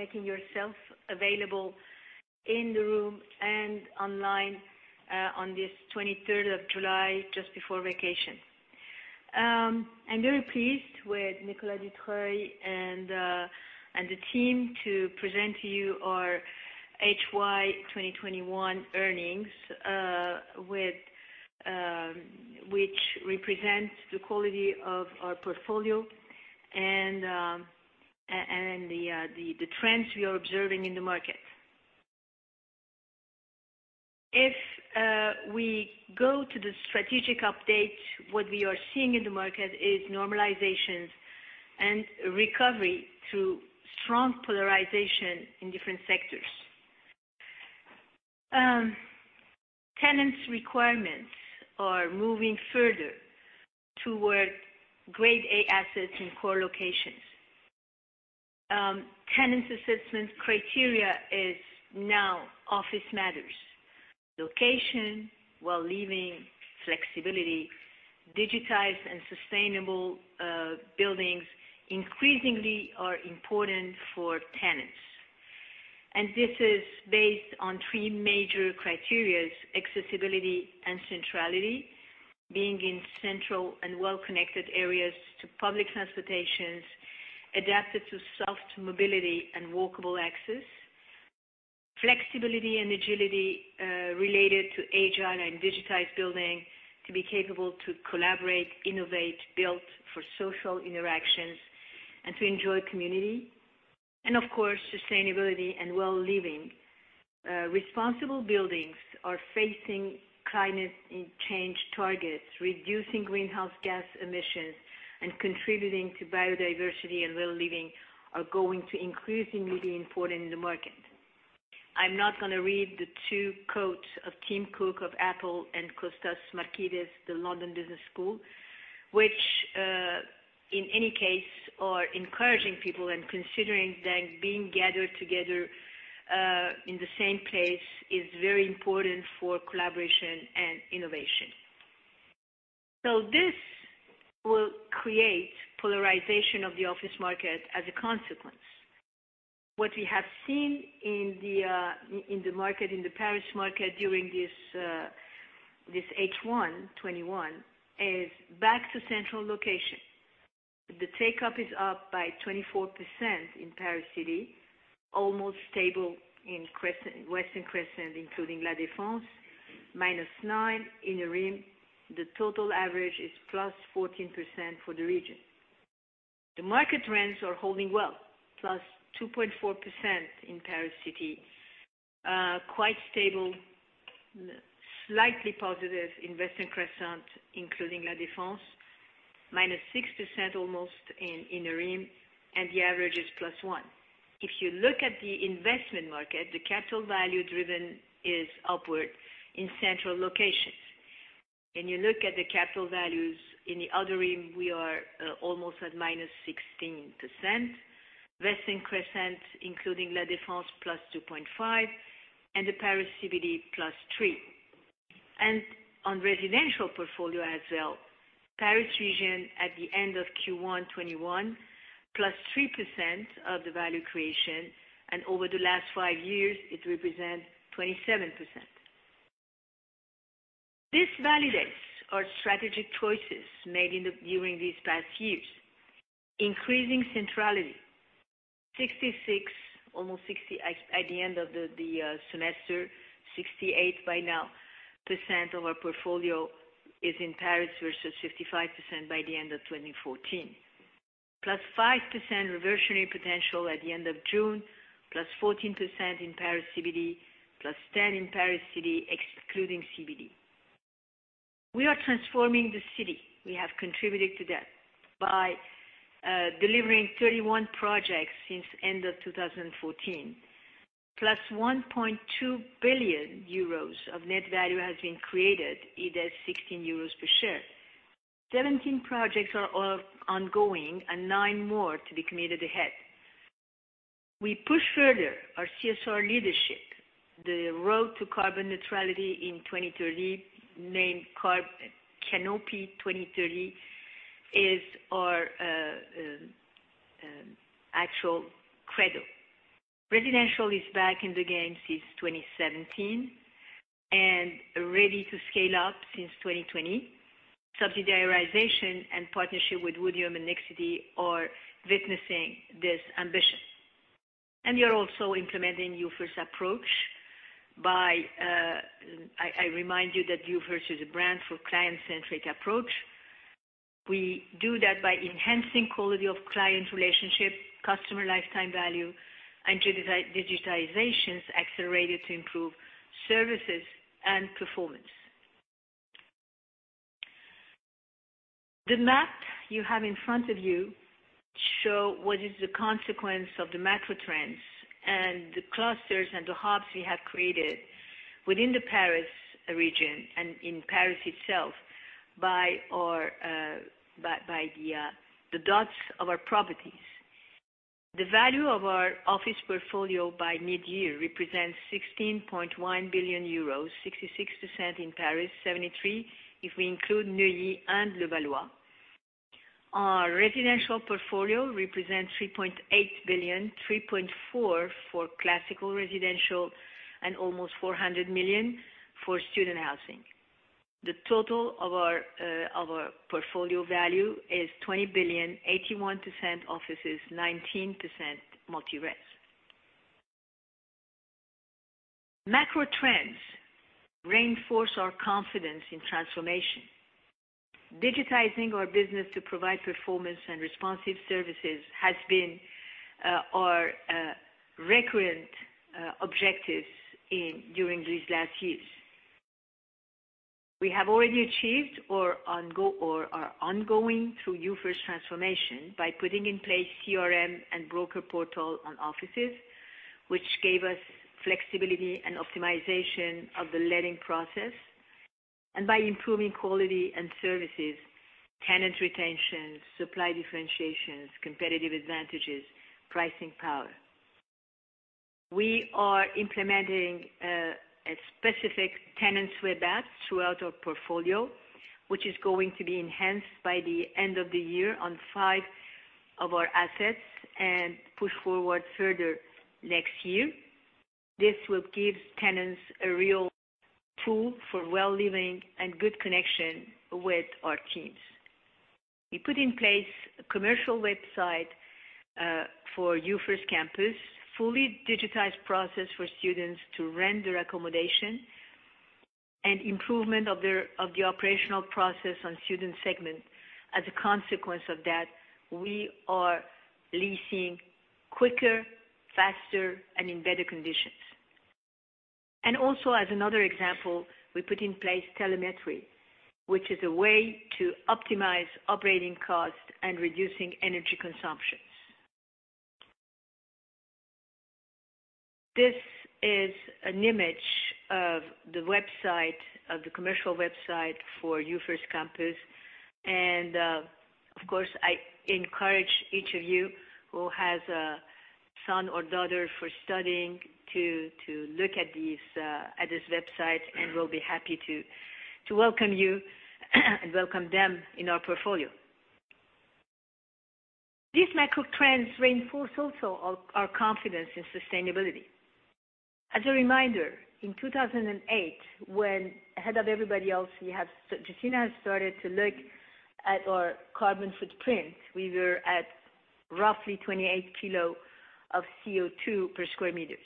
Making yourself available in the room and online on this 23rd of July, just before vacation. I'm very pleased with Nicolas Dutreuil and the team to present to you our HY 2021 earnings, which represents the quality of our portfolio and the trends we are observing in the market. If we go to the strategic update, what we are seeing in the market is normalizations and recovery through strong polarization in different sectors. Tenants requirements are moving further towards grade A assets in core locations. Tenants assessments criteria is now office matters. Location, while leaving flexibility, digitized and sustainable buildings increasingly are important for tenants. This is based on three major criterias. Accessibility and centrality, being in central and well-connected areas to public transportations, adapted to soft mobility and walkable access. Flexibility and agility related to agile and digitized building to be capable to collaborate, innovate, built for social interactions, and to enjoy community. Of course, sustainability and well-living. Responsible buildings are facing climate change targets, reducing greenhouse gas emissions and contributing to biodiversity and well-living are going to increasingly be important in the market. I'm not going to read the two quotes of Tim Cook of Apple and Costas Markides, the London Business School, which, in any case, are encouraging people and considering that being gathered together in the same place is very important for collaboration and innovation. This will create polarization of the office market as a consequence. What we have seen in the Paris market during this H1 2021 is back to central location. The take-up is up by 24% in Paris city, almost stable in Western Crescent, including La Défense, -9% in Inner Rim. The total average is +14% for the region. The market rents are holding well, +2.4% in Paris city. Quite stable, slightly positive in Western Crescent, including La Défense, -6% almost in Inner Rim, and the average is +1%. If you look at the investment market, the capital value driven is upward in central locations. You look at the capital values in the Outer Rim, we are almost at -16%, Western Crescent, including La Défense +2.5%, and the Paris CBD +3%. On residential portfolio as well, Paris region at the end of Q1 2021, +3% of the value creation, and over the last five years, it represents 27%. This validates our strategic choices made during these past years. Increasing centrality, 66, almost 60 at the end of the semester, 68 by now, percent of our portfolio is in Paris versus 55% by the end of 2014. +5% reversionary potential at the end of June, +14% in Paris CBD, +10% in Paris City, excluding CBD. We are transforming the city. We have contributed to that by delivering 31 projects since end of 2014, plus 1.2 billion euros of net value has been created, either 16 euros per share. 17 projects are ongoing and 9 more to be committed ahead. We push further our CSR leadership, the road to carbon neutrality in 2030, named Canopy 2030, is our actual credo. Residential is back in the game since 2017 and ready to scale up since 2020. Subsidiarization and partnership with Woodeum and Nexity are witnessing this ambition. We are also implementing YouFirst approach by, I remind you that YouFirst is a brand for client-centric approach. We do that by enhancing quality of client relationship, customer lifetime value, and digitization accelerated to improve services and performance. The map you have in front of you shows what is the consequence of the macro trends and the clusters and the hubs we have created within the Paris region and in Paris itself by the dots of our properties. The value of our office portfolio by mid-year represents 16.1 billion euros, 66% in Paris, 73% if we include Neuilly and Levallois. Our residential portfolio represents 3.8 billion, 3.4 billion for classical residential and almost 400 million for student housing. The total of our portfolio value is 20 billion, 81% offices, 19% multi-res. Macro trends reinforce our confidence in transformation. Digitizing our business to provide performance and responsive services has been our recurrent objective during these last years. We have already achieved or are ongoing through YouFirst transformation by putting in place CRM and broker portal on offices, which gave us flexibility and optimization of the letting process, by improving quality and services, tenant retention, supply differentiations, competitive advantages, pricing power. We are implementing a specific tenant web app throughout our portfolio, which is going to be enhanced by the end of the year on five of our assets and pushed forward further next year. This will give tenants a real tool for well living and good connection with our teams. We put in place a commercial website for YouFirst Campus, fully digitized process for students to rent their accommodation, and improvement of the operational process on student segment. Also as another example, we put in place telemetry, which is a way to optimize operating costs and reduce energy consumption. This is an image of the commercial website for YouFirst Campus, and, of course, I encourage each of you who has a son or daughter studying to look at this website, and we will be happy to welcome you and welcome them in our portfolio. These macro trends also reinforce our confidence in sustainability. As a reminder, in 2008, when ahead of everybody else, Gecina started to look at our carbon footprint. We were at roughly 28 kg of CO2 per square meter.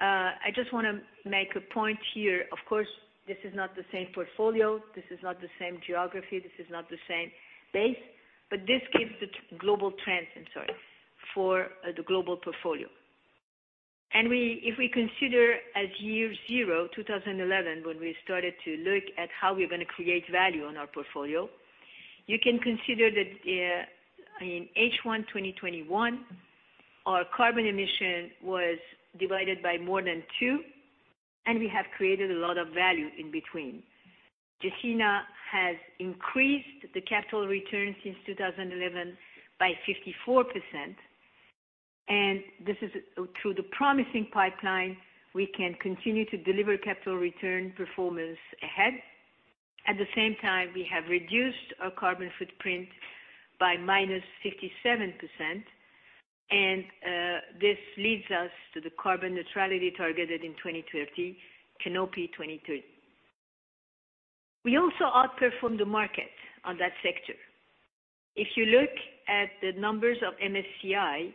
I just want to make a point here. Of course, this is not the same portfolio, this is not the same geography, this is not the same base, but this gives the global trends, I am sorry, for the global portfolio. If we consider as year zero, 2011, when we started to look at how we are going to create value on our portfolio, you can consider that in H1 2021, our carbon emission was divided by more than two, and we have created a lot of value in between. Gecina increased the capital return since 2011 by 54%, and this is through the promising pipeline, we can continue to deliver capital return performance ahead. At the same time, we have reduced our carbon footprint by -57%, and this leads us to the carbon neutrality targeted in 2030, Canopy 2030. We also outperformed the market on that sector. If you look at the numbers of MSCI,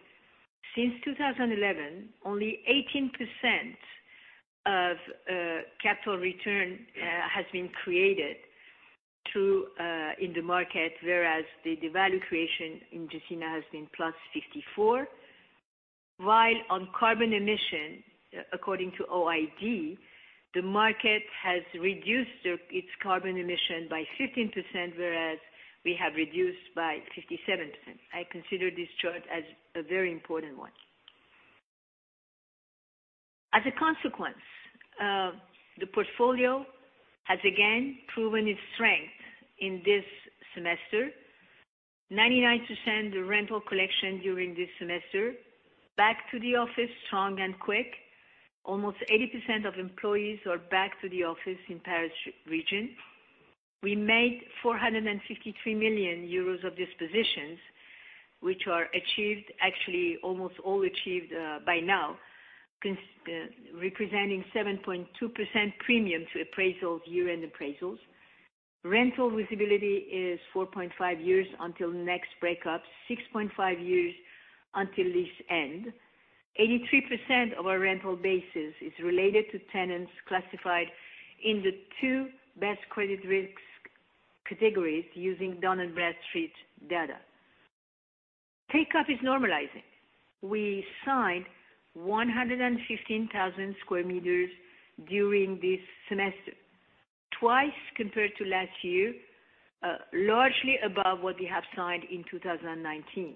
since 2011, only 18% of capital return has been created in the market, whereas the value creation in Gecina has been plus 54, while on carbon emission, according to OID, the market has reduced its carbon emission by 15%, whereas we have reduced by 57%. I consider this chart as a very important one. As a consequence, the portfolio has again proven its strength in this semester, 99% rental collection during this semester, back to the office strong and quick. Almost 80% of employees are back to the office in Paris region. We made 453 million euros of dispositions, which are actually almost all achieved by now, representing 7.2% premium to appraisal of year-end appraisals. Rental visibility is 4.5 years until next break-ups, 6.5 years until lease end. 83% of our rental bases is related to tenants classified in the two best credit risks categories using Dun & Bradstreet data. Take-up is normalizing. We signed 115,000 sq m during this semester. Twice compared to last year, largely above what we have signed in 2019.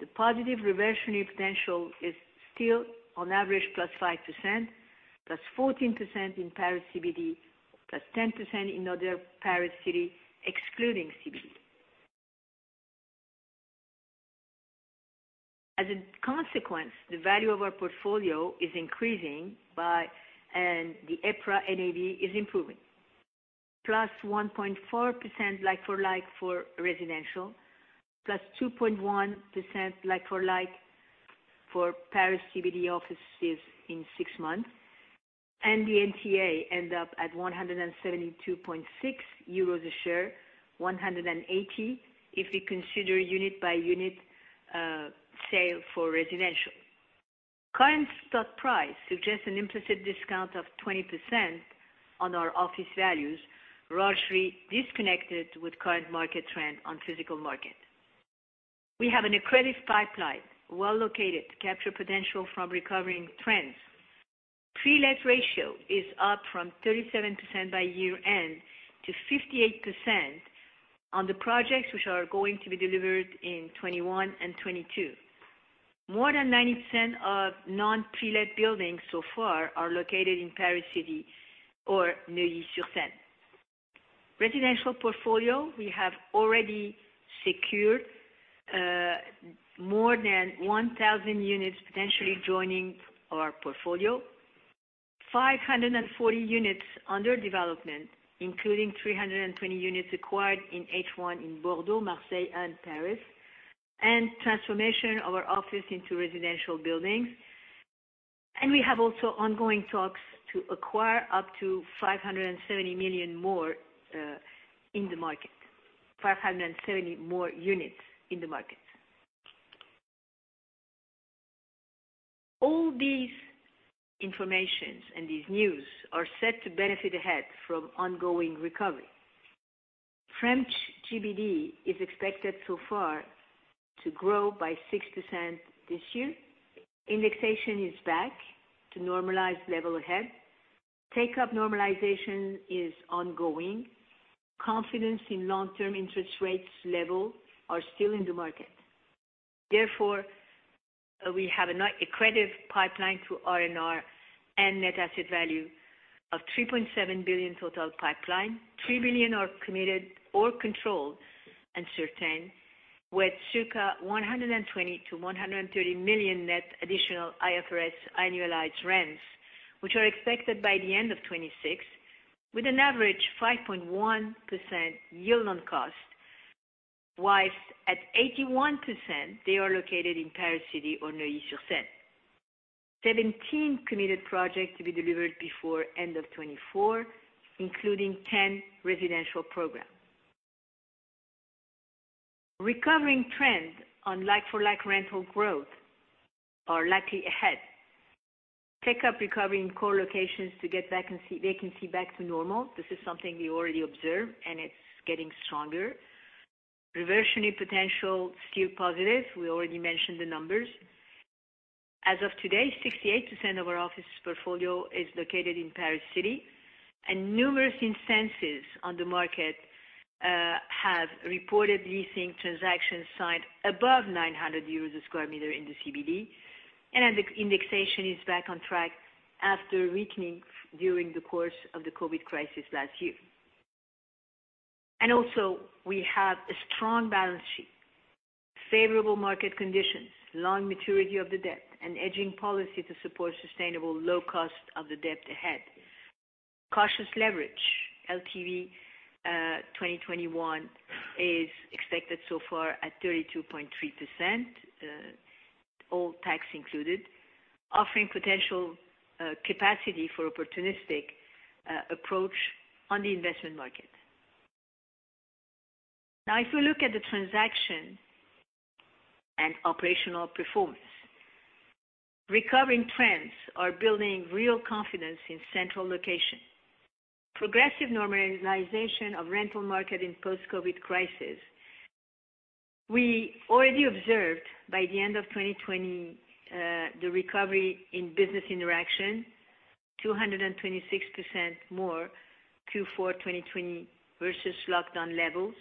The positive reversionary potential is still on average +5%, +14% in Paris CBD, +10% in other Paris city, excluding CBD. As a consequence, the value of our portfolio is increasing, and the EPRA NAV is improving. +1.4% like-for-like for residential, +2.1% like-for-like for Paris CBD offices in six months, and the NCA end up at 172.6 euros a share, 180 if we consider unit-by-unit sale for residential. Current stock price suggests an implicit discount of 20% on our office values, largely disconnected with current market trend on physical market. We have an accretive pipeline, well located to capture potential from recovering trends. Pre-let ratio is up from 37% by year-end to 58% on the projects which are going to be delivered in 2021 and 2022. More than 90% of non-pre-let buildings so far are located in Paris city or Neuilly-sur-Seine. Residential portfolio, we have already secured more than 1,000 units potentially joining our portfolio. 540 units under development, including 320 units acquired in H1 in Bordeaux, Marseille, and Paris, and transformation of our office into residential buildings. We have also ongoing talks to acquire up to 570 more units in the market. All these informations and these news are set to benefit ahead from ongoing recovery. French GDP is expected so far to grow by 6% this year. Indexation is back to normalized level ahead. Take-up normalization is ongoing. Confidence in long-term interest rates level are still in the market. Therefore, we have an accretive pipeline to R&R and net asset value of 3.7 billion total pipeline. 3 billion are committed or controlled and certain, with circa 120 million to 130 million net additional IFRS annualized rents, which are expected by the end of 2026, with an average 5.1% yield on cost, whilst at 81%, they are located in Paris city or Neuilly-sur-Seine. 17 committed projects to be delivered before end of 2024, including 10 residential programs. Recovering trends on like-for-like rental growth are likely ahead. Take-up recovery in core locations to get vacancy back to normal. This is something we already observe, and it's getting stronger. Reversionary potential, still positive. We already mentioned the numbers. As of today, 68% of our office portfolio is located in Paris City, numerous instances on the market have reported leasing transactions signed above 900 euros a square meter in the CBD, indexation is back on track after weakening during the course of the COVID crisis last year. We have a strong balance sheet, favorable market conditions, long maturity of the debt, a hedging policy to support sustainable low cost of the debt ahead. Cautious leverage, LTV 2021 is expected so far at 32.3%, all tax included, offering potential capacity for opportunistic approach on the investment market. If we look at the transaction and operational performance, recovering trends are building real confidence in central location. Progressive normalization of rental market in post-COVID crisis. We already observed, by the end of 2020, the recovery in business interaction, 226% more Q4 2020 versus lockdown levels,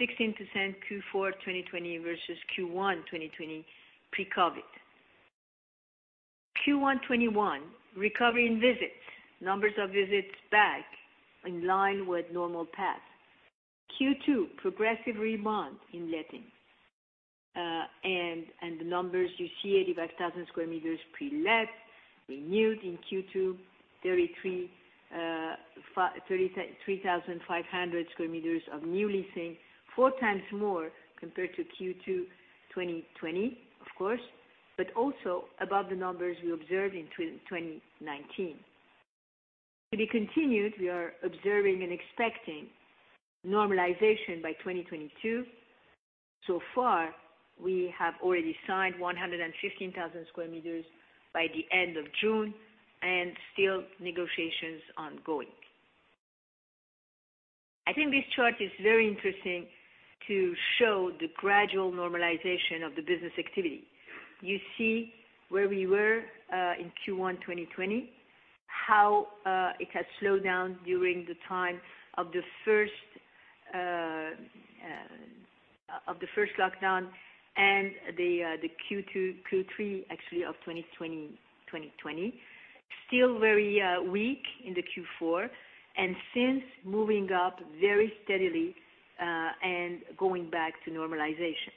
16% Q4 2020 versus Q1 2020 pre-COVID. Q1 2021, recovery in visits. Numbers of visits back in line with normal path. Q2, progressive rebound in lettings. The numbers you see, 85,000 sq m pre-let, renewed in Q2, 33,500 sq m of new leasing, four times more compared to Q2 2020, of course, but also above the numbers we observed in 2019. To be continued, we are observing and expecting normalization by 2022. We have already signed 115,000 sq m by the end of June and still negotiations ongoing. I think this chart is very interesting to show the gradual normalization of the business activity. You see where we were in Q1 2020, how it had slowed down during the time of the first lockdown and the Q2, Q3 actually of 2020. Still very weak in the Q4, since moving up very steadily and going back to normalization.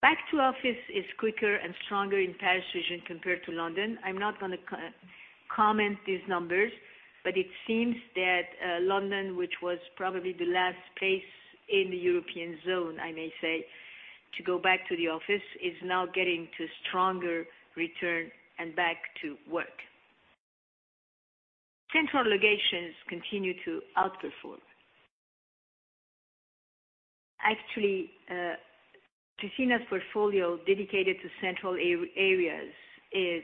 Back to office is quicker and stronger in Paris region compared to London. It seems that London, which was probably the last place in the European zone, I may say, to go back to the office, is now getting to stronger return and back to work. Central locations continue to outperform. Gecina's portfolio dedicated to central areas is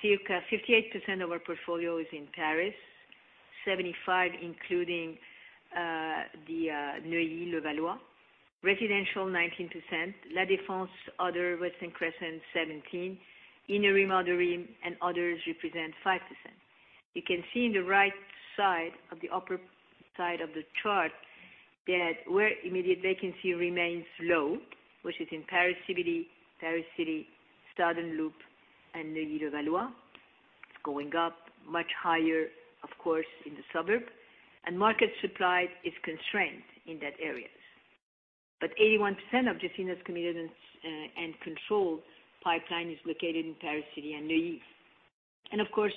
circa 58% of our portfolio is in Paris, 75% including the Neuilly, Levallois. Residential 19%, La Défense, other Western Crescent 17%, Inner Rim, Outer Rim, and others represent 5%. You can see in the right side of the upper side of the chart that where immediate vacancy remains low, which is in Paris CBD, Paris City, Boucle Sud, and Neuilly, Levallois. It's going up much higher, of course, in the suburb. Market supply is constrained in that areas. 81% of Gecina's committed and controlled pipeline is located in Paris City and Neuilly.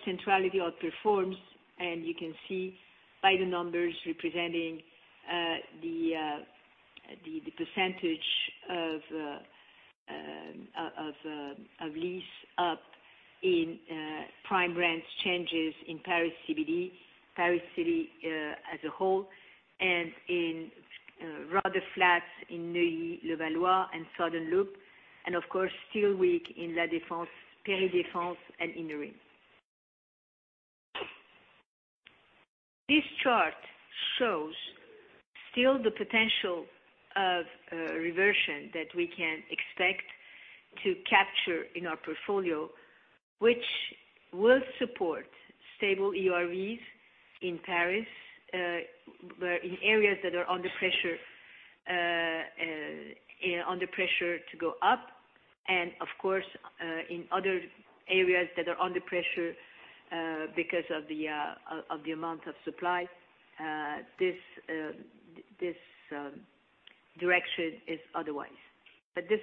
Centrality outperforms, you can see by the numbers representing the percentage of lease up in prime rents, changes in Paris CBD, Paris City as a whole, rather flat in Neuilly, Levallois, and Boucle Sud, still weak in La Défense, Paris Défense, and Inner Rim. This chart shows still the potential of reversion that we can expect to capture in our portfolio, which will support stable ERVs in Paris, where in areas that are under pressure to go up, and of course, in other areas that are under pressure because of the amount of supply, this direction is otherwise. This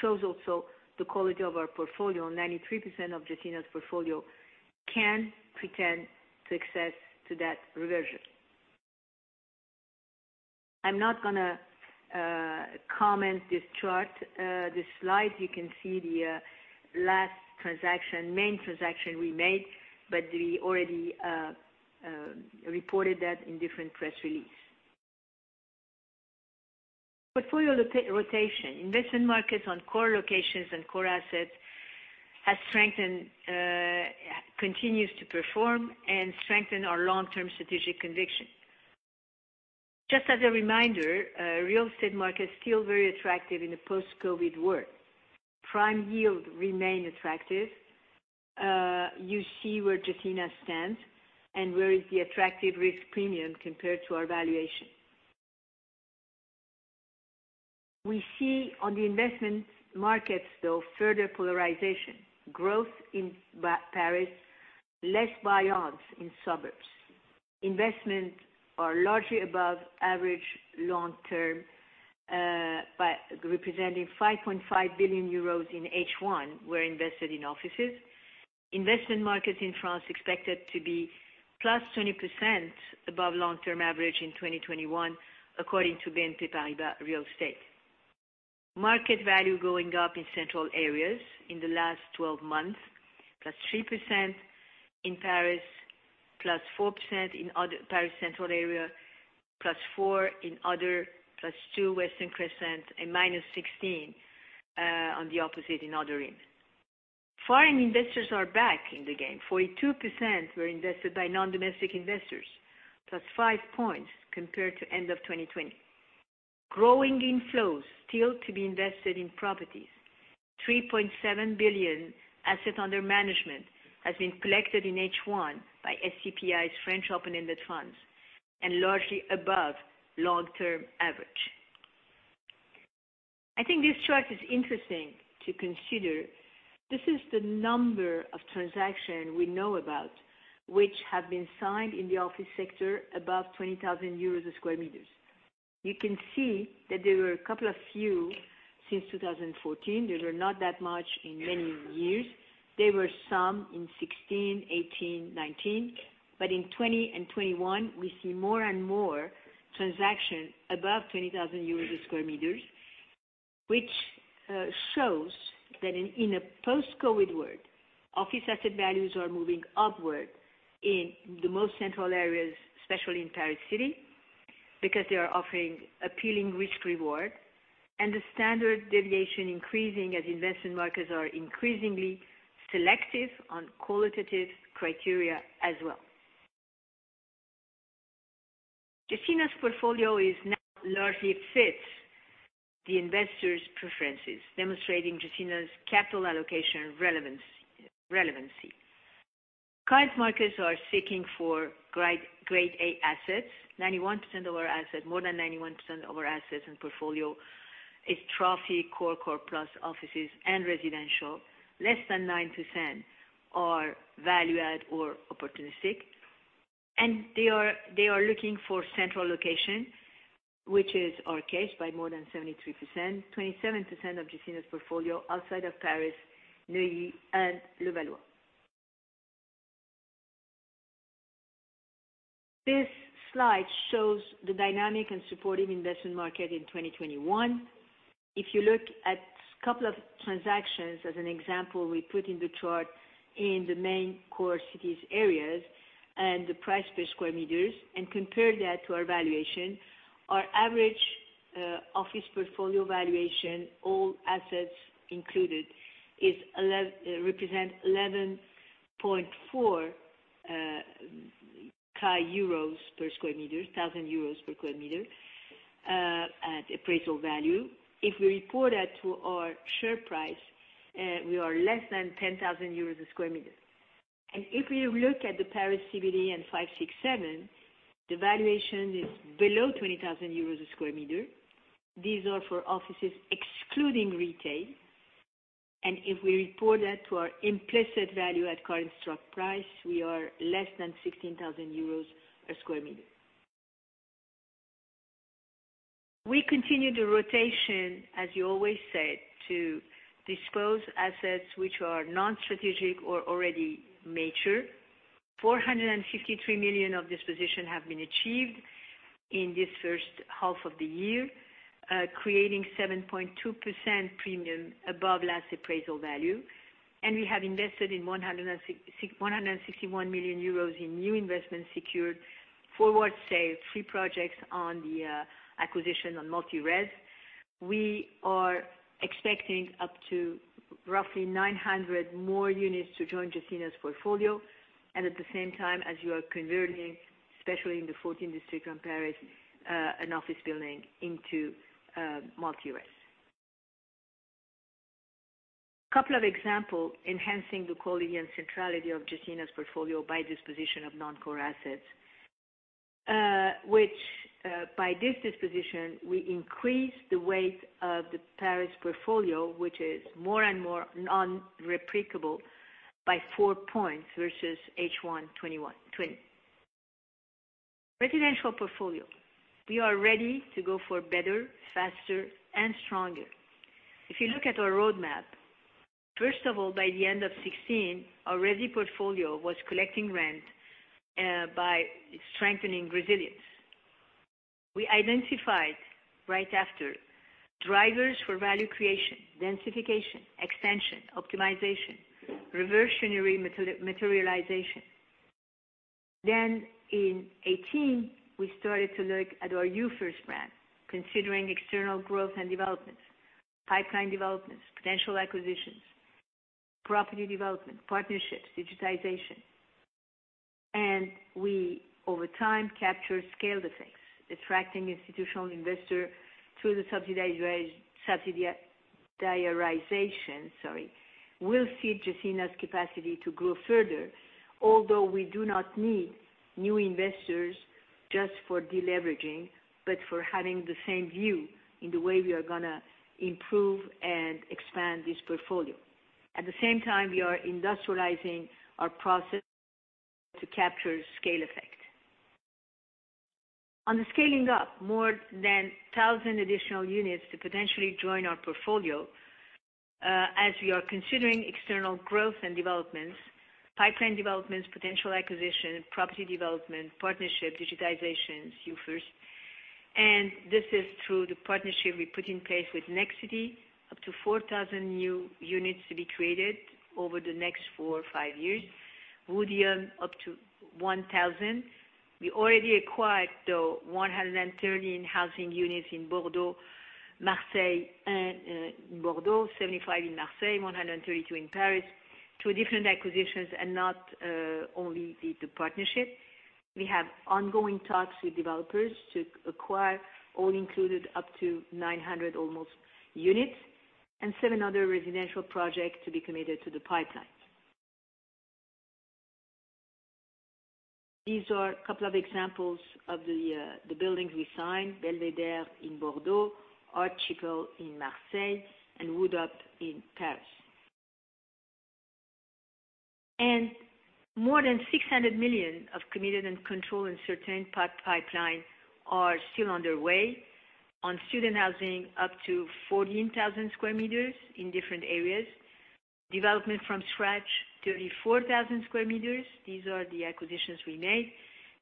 shows also the quality of our portfolio. 93% of Gecina's portfolio can pretend success to that reversion. I'm not going to comment this chart. This slide, you can see the last main transaction we made, we already reported that in different press release. Portfolio rotation. Investment markets on core locations and core assets continues to perform and strengthen our long-term strategic conviction. Just as a reminder, real estate market is still very attractive in the post-COVID world. Prime yield remain attractive. You see where Gecina stands and where is the attractive risk premium compared to our valuation. We see on the investment markets, though, further polarization. Growth in Paris, less buyouts in suburbs. Investments are largely above average long term, representing 5.5 billion euros in H1 were invested in offices. Investment markets in France expected to be plus 20% above long-term average in 2021, according to BNP Paribas Real Estate. Market value going up in central areas in the last 12 months, plus 3% in Paris, plus 4% in Paris Central area, plus four in other, plus two Western Crescent, and minus 16 on the opposite in Outer Rim. Foreign investors are back in the game. 42% were invested by non-domestic investors, plus five points compared to end of 2020. Growing inflows still to be invested in properties. 3.7 billion asset under management has been collected in H1 by SCPI's French open-ended funds and largely above long-term average. I think this chart is interesting to consider. This is the number of transaction we know about, which have been signed in the office sector above 20,000 euros a square meters. You can see that there were a couple of few since 2014. There were not that much in many years. There were some in 2016, 2018, 2019, in 2020 and 2021, we see more and more transaction above 20,000 euros a square meters, which shows that in a post-COVID world, office asset values are moving upward in the most central areas, especially in Paris City, because they are offering appealing risk-reward, the standard deviation increasing as investment markets are increasingly selective on qualitative criteria as well. Gecina's portfolio is now largely fits the investor's preferences, demonstrating Gecina's capital allocation relevancy. Current markets are seeking for grade A assets. More than 91% of our assets and portfolio is trophy core-plus offices and residential. Less than 9% are value-add or opportunistic. They are looking for central location, which is our case by more than 73%, 27% of Gecina's portfolio outside of Paris, Neuilly and Levallois. This slide shows the dynamic and supportive investment market in 2021. If you look at couple of transactions as an example, we put in the chart in the main core cities areas and the price per square meters and compare that to our valuation, our average office portfolio valuation, all assets included, represent 11.4K euros per square meters, 1,000 euros per square meter, at appraisal value. If we report that to our share price, we are less than 10,000 euros a square meter. If we look at the Paris CBD and 5-6-7, the valuation is below 20,000 euros a square meter. These are for offices excluding retail. If we report that to our implicit value at current stock price, we are less than 16,000 euros a square meter. We continue the rotation, as you always said, to dispose assets which are non-strategic or already mature. 453 million of disposition have been achieved in this first half of the year, creating 7.2% premium above last appraisal value. We have invested in 161 million euros in new investments secured forward sale, 3 projects on the acquisition on multi-res. We are expecting up to roughly 900 more units to join Gecina's portfolio. At the same time, as you are converting, especially in the 14th district in Paris, an office building into multi-res. Couple of example, enhancing the quality and centrality of Gecina's portfolio by disposition of non-core assets, which, by this disposition, we increase the weight of the Paris portfolio, which is more and more non-replicable by 4 points versus H1 2020. Residential portfolio. We are ready to go for better, faster, and stronger. If you look at our roadmap, first of all, by the end of 2016, our resi portfolio was collecting rent, by strengthening resilience. We identified right after, drivers for value creation, densification, extension, optimization, reversionary materialization. In 2018, we started to look at our YouFirst brand, considering external growth and developments, pipeline developments, potential acquisitions, property development, partnerships, digitization. We, over time, capture scale effects, attracting institutional investor through the subsidiarization, sorry, will feed Gecina's capacity to grow further. Although we do not need new investors just for deleveraging, but for having the same view in the way we are going to improve and expand this portfolio. At the same time, we are industrializing our process to capture scale effect. On the scaling up, more than 1,000 additional units to potentially join our portfolio, as we are considering external growth and developments, pipeline developments, potential acquisition, property development, partnership, digitization, YouFirst. This is through the partnership we put in place with Nexity, up to 4,000 new units to be created over the next 4 or 5 years. Woodeum, up to 1,000. We already acquired the 130 housing units in Bordeaux, 75 in Marseille, 132 in Paris through different acquisitions and not only the partnership. We have ongoing talks with developers to acquire, all included, up to 900 almost units and 7 other residential projects to be committed to the pipeline. These are couple of examples of the buildings we signed, Belvédère in Bordeaux, Art Chic in Marseille, and Wood'Up in Paris. More than 600 million of committed and controlled and certain pipeline are still underway. On student housing, up to 14,000 sq m in different areas. Development from scratch, 34,000 sq m. These are the acquisitions we made.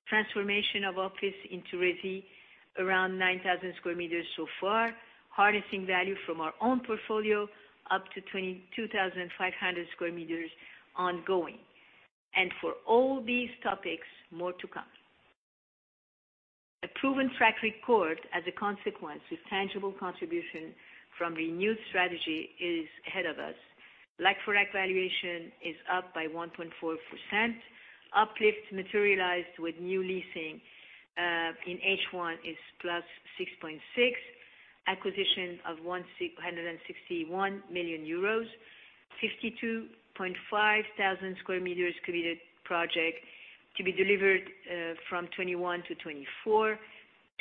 Transformation of office into resi, around 9,000 sq m so far. Harnessing value from our own portfolio, up to 22,500 sq m ongoing. For all these topics, more to come. A proven track record as a consequence with tangible contribution from renewed strategy is ahead of us. Like-for-like valuation is up by 1.4%. Uplift materialized with new leasing, in H1 is +6.6%. Acquisition of EUR 161 million, 52,500 sq m committed project to be delivered from 2021 to 2024,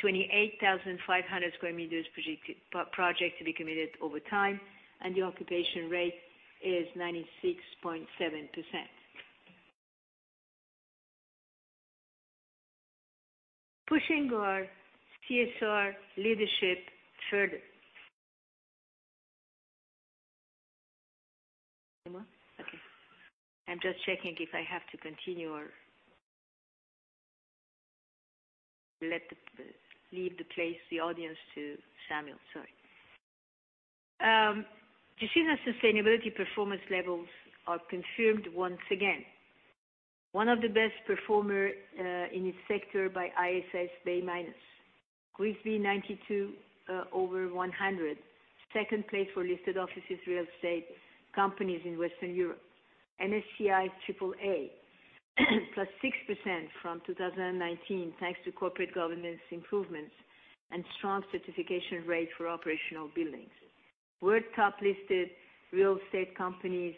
28,500 sq m project to be committed over time, and the occupation rate is 96.7%. Pushing our CSR leadership further. No more? Okay. I'm just checking if I have to continue or leave the place, the audience to Samuel, sorry. Gecina sustainability performance levels are confirmed once again. One of the best performer in its sector by ISS, B-. GRESB 92 out of 100. Second place for Listed Offices Real Estate companies in Western Europe. MSCI AAA, +6% from 2019, thanks to corporate governance improvements and strong certification rate for operational buildings. We're top-listed real estate companies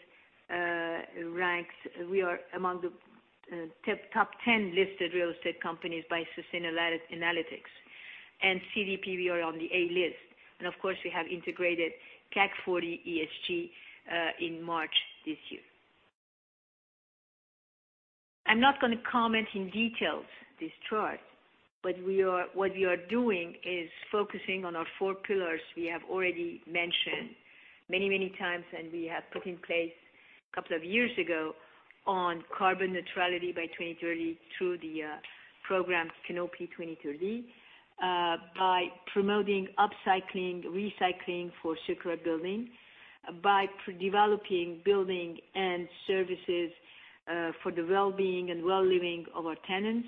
ranks. We are among the top 10 listed real estate companies by Sustainalytics. CDP, we are on the A list. Of course, we have integrated CAC 40 ESG, in March this year. I'm not going to comment in detail this chart, but what we are doing is focusing on our four pillars we have already mentioned many times, and we have put in place a couple of years ago on carbon neutrality by 2030 through the program Canopy 2030, by promoting upcycling, recycling for Sucre Building, by developing building and services for the well-being and well-living of our tenants,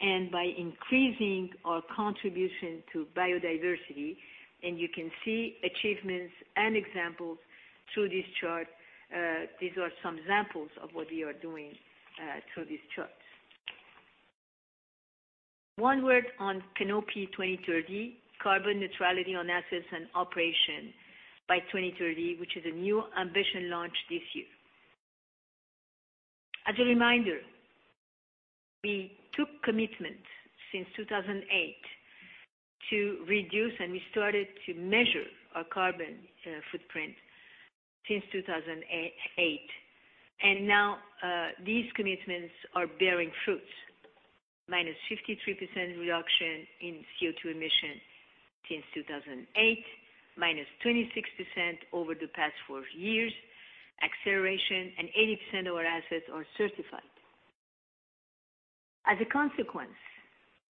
and by increasing our contribution to biodiversity. You can see achievements and examples through this chart. These are some examples of what we are doing through these charts. One word on Canopy 2030, carbon neutrality on assets and operation by 2030, which is a new ambition launched this year. As a reminder, we took commitment since 2008 to reduce, we started to measure our carbon footprint since 2008. Now, these commitments are bearing fruits, -53% reduction in CO2 emission since 2008, -26% over the past four years, acceleration, and 80% of our assets are certified. As a consequence,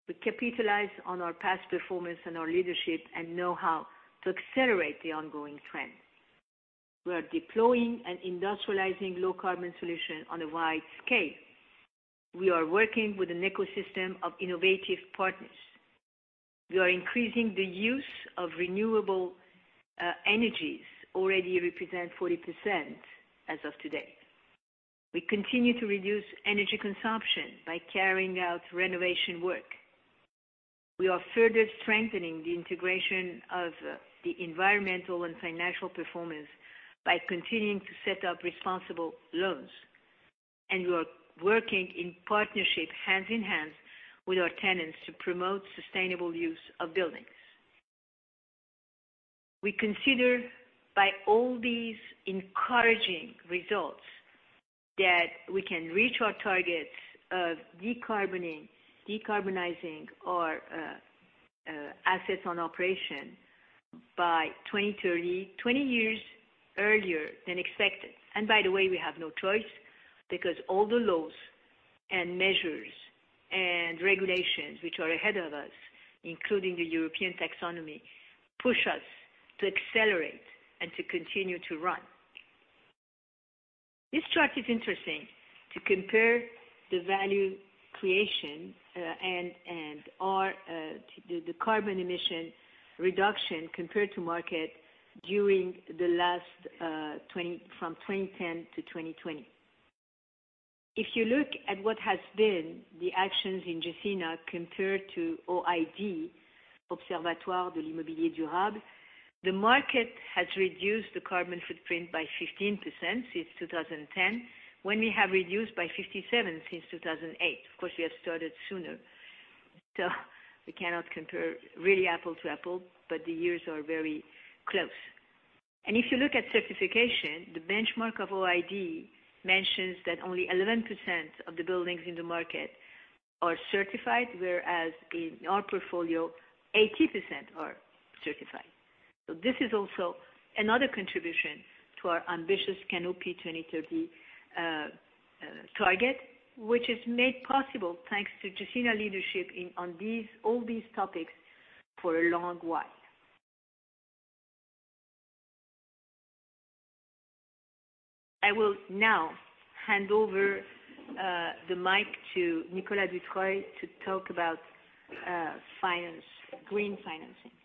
we capitalize on our past performance and our leadership and know-how to accelerate the ongoing trend. We are deploying and industrializing low carbon solution on a wide scale. We are working with an ecosystem of innovative partners. We are increasing the use of renewable energies. Already represent 40% as of today. We continue to reduce energy consumption by carrying out renovation work. We are further strengthening the integration of the environmental and financial performance by continuing to set up responsible loans. We are working in partnership, hand in hand with our tenants to promote sustainable use of buildings. We consider by all these encouraging results that we can reach our targets of decarbonizing our assets on operation by 2030, 20 years earlier than expected. By the way, we have no choice because all the laws and measures and regulations which are ahead of us, including the European taxonomy, push us to accelerate and to continue to run. This chart is interesting to compare the value creation and the carbon emission reduction compared to market during the last, from 2010 to 2020. If you look at what has been the actions in Gecina compared to OID, Observatoire de l'Immobilier Durable, the market has reduced the carbon footprint by 15% since 2010, when we have reduced by 57% since 2008. Of course, we have started sooner. We cannot compare really apple to apple, but the years are very close. If you look at certification, the benchmark of OID mentions that only 11% of the buildings in the market are certified, whereas in our portfolio, 80% are certified. This is also another contribution to our ambitious Canopy 2030 target, which is made possible thanks to Gecina leadership on all these topics for a long while. I will now hand over the mic to Nicolas Dutreuil to talk about green financing. Thank you,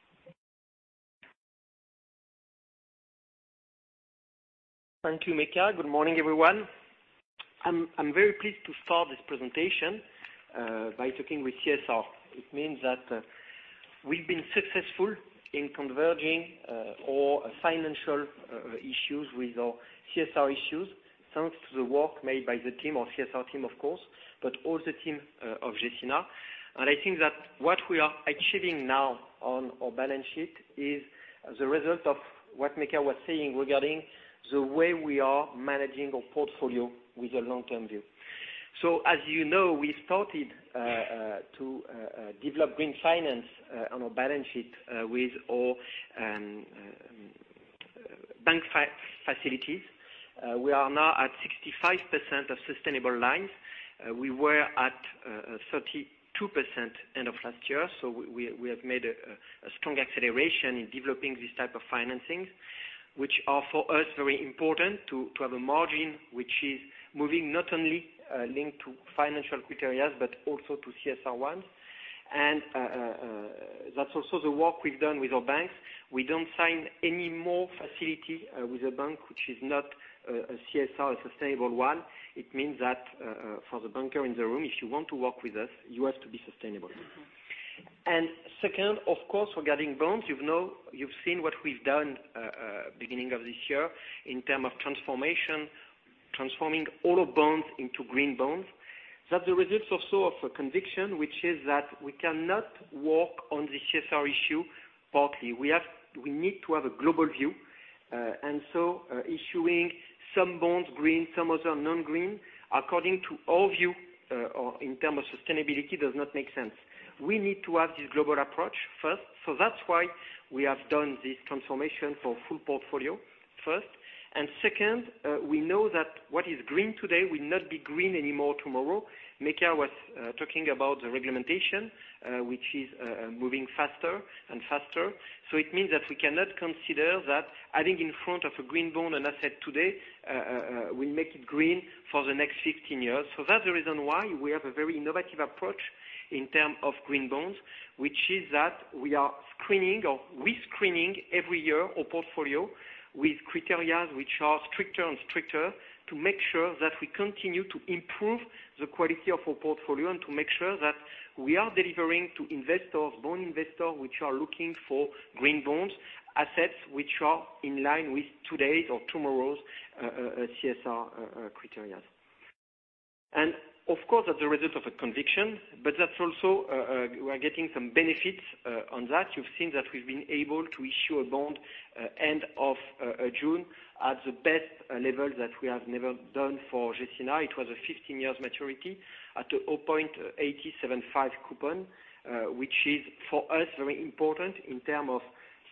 Méka Brunel. Good morning, everyone. I am very pleased to start this presentation by talking with CSR. We have been successful in converging all financial issues with our CSR issues, thanks to the work made by the team, our CSR team, of course, but also team of Gecina. I think that what we are achieving now on our balance sheet is the result of what Méka Brunel was saying regarding the way we are managing our portfolio with a long-term view. As you know, we started to develop green finance on our balance sheet with our bank facilities. We are now at 65% of sustainable lines. We were at 32% end of last year. We have made a strong acceleration in developing this type of financing, which are, for us, very important to have a margin, which is moving not only linked to financial criteria, but also to CSR ones. That is also the work we have done with our banks. We do not sign any more facility with a bank, which is not a CSR, a sustainable one. It means that for the banker in the room, if you want to work with us, you have to be sustainable. Second, of course, regarding bonds, you have seen what we have done beginning of this year in term of transformation, transforming all our bonds into green bonds. That is the result also of a conviction, which is that we cannot work on the CSR issue partly. We need to have a global view. Issuing some bonds green, some of them non-green, according to our view, in term of sustainability, does not make sense. We need to have this global approach first. That is why we have done this transformation for full portfolio, first. Second, we know that what is green today will not be green anymore tomorrow. Méka Brunel was talking about the regulation, which is moving faster and faster. It means that we cannot consider that adding in front of a green bond, an asset today, will make it green for the next 15 years. That's the reason why we have a very innovative approach in terms of green bonds, which is that we are screening, or re-screening every year our portfolio with criteria, which are stricter and stricter to make sure that we continue to improve the quality of our portfolio and to make sure that we are delivering to investors, bond investors, which are looking for green bonds assets, which are in line with today's or tomorrow's CSR criteria. Of course, that's the result of a conviction. That's also, we are getting some benefits on that. You've seen that we've been able to issue a bond end of June at the best level that we have never done for Gecina. It was a 15-year maturity at a 0.875 coupon, which is, for us, very important in terms of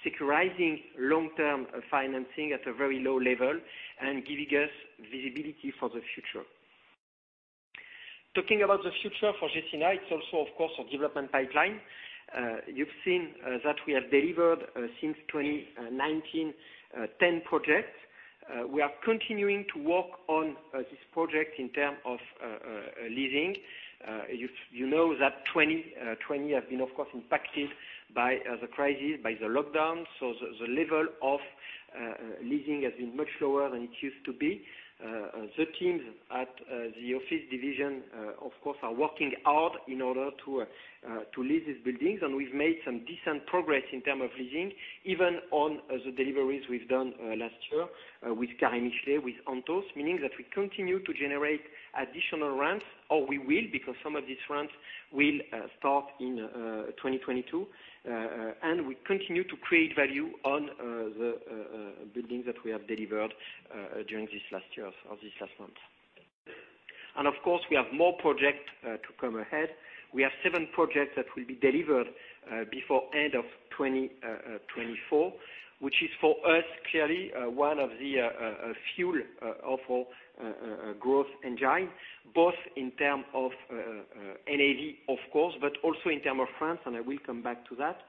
securitizing long-term financing at a very low level and giving us visibility for the future. Talking about the future for Gecina, it's also, of course, our development pipeline. You've seen that we have delivered, since 2019, 10 projects. We are continuing to work on this project in terms of leasing. You know that 2020 has been, of course, impacted by the crisis, by the lockdown. The level of leasing has been much lower than it used to be. The teams at the office division, of course, are working hard in order to lease these buildings, and we've made some decent progress in terms of leasing, even on the deliveries we've done last year with Carrefour, with Anthos. Meaning that we continue to generate additional rents, or we will, because some of these rents will start in 2022. We continue to create value on the buildings that we have delivered during this last year or this last month. Of course, we have more project to come ahead. We have seven projects that will be delivered before end of 2024, which is for us, clearly, one of the fuel of our growth engine, both in terms of NAV, of course, but also in terms of France, and I will come back to that.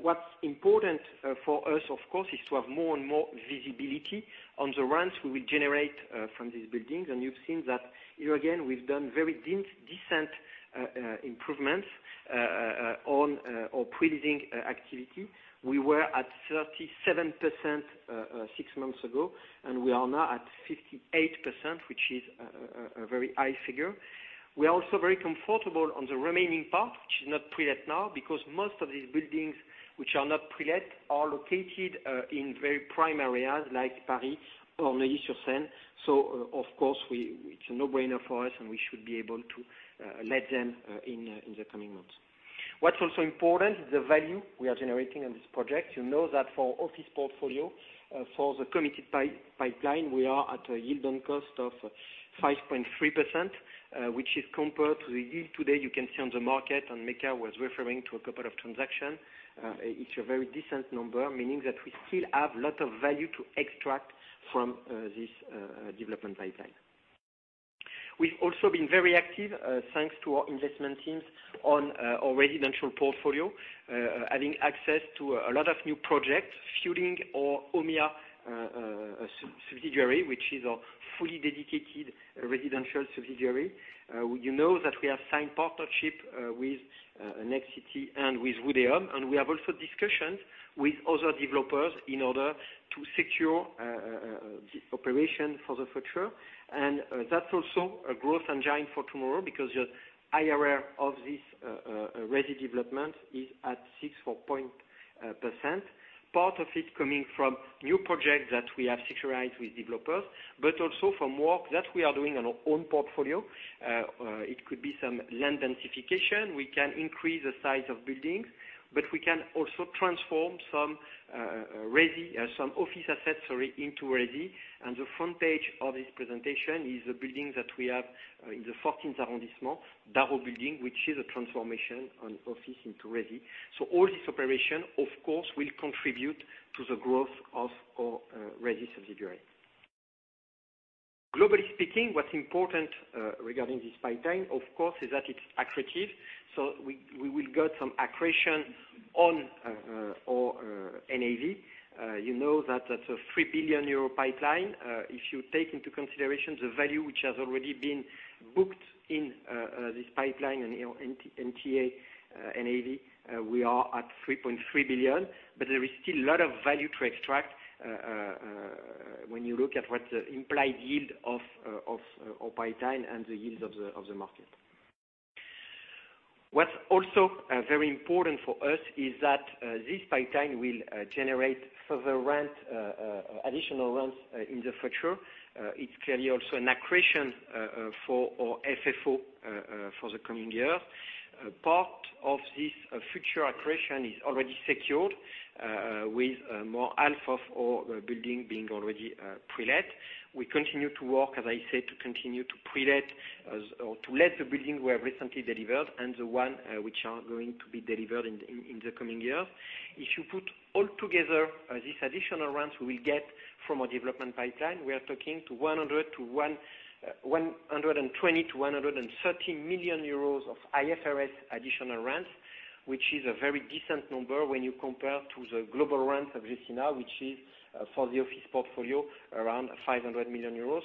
What's important for us, of course, is to have more and more visibility on the rents we will generate from these buildings. You've seen that here again, we've done very decent improvements on our pre-leasing activity. We were at 37% six months ago, and we are now at 58%, which is a very high figure. We are also very comfortable on the remaining part, which is not prelet now, because most of these buildings which are not prelet are located in very prime areas like Paris or Neuilly-sur-Seine. Of course, it's a no-brainer for us, and we should be able to let them in the coming months. What's also important is the value we are generating on this project. You know that for office portfolio, for the committed pipeline, we are at a yield on cost of 5.3%, which is compared to the yield today, you can see on the market, and Méka was referring to a couple of transaction. It's a very decent number, meaning that we still have lot of value to extract from this development pipeline. We've also been very active, thanks to our investment teams on our residential portfolio, having access to a lot of new projects, fueling our Homya subsidiary, which is our fully dedicated residential subsidiary. You know that we have signed partnership with Nexity and with Woodeum, and we have also discussions with other developers in order to secure the operation for the future. That's also a growth engine for tomorrow because the IRR of this resi development is at 6.4%. Part of it coming from new projects that we have secured with developers, but also from work that we are doing on our own portfolio. It could be some land densification. We can increase the size of buildings, but we can also transform some office assets into resi. The front page of this presentation is the buildings that we have in the 14th arrondissement, Dareau building, which is a transformation of office into resi. All this operation, of course, will contribute to the growth of our resi subsidiary. Globally speaking, what's important, regarding this pipeline, of course, is that it's accretive. We will get some accretion on our NAV. You know that that's a 3 billion euro pipeline. If you take into consideration the value which has already been booked in this pipeline and NTA, NAV, we are at 3.3 billion, but there is still a lot of value to extract, when you look at what the implied yield of our pipeline and the yields of the market. What's also very important for us is that this pipeline will generate further additional rents in the future. It's clearly also an accretion for our FFO for the coming year. Part of this future accretion is already secured, with more than half of our building being already pre-let. We continue to work, as I said, to continue to pre-let or to let the building we have recently delivered and the one which are going to be delivered in the coming years. If you put all together these additional rents we will get from our development pipeline, we are talking 120 million to 130 million euros of IFRS additional rents, which is a very decent number when you compare to the global rent of Gecina, which is for the office portfolio, around 500 million euros.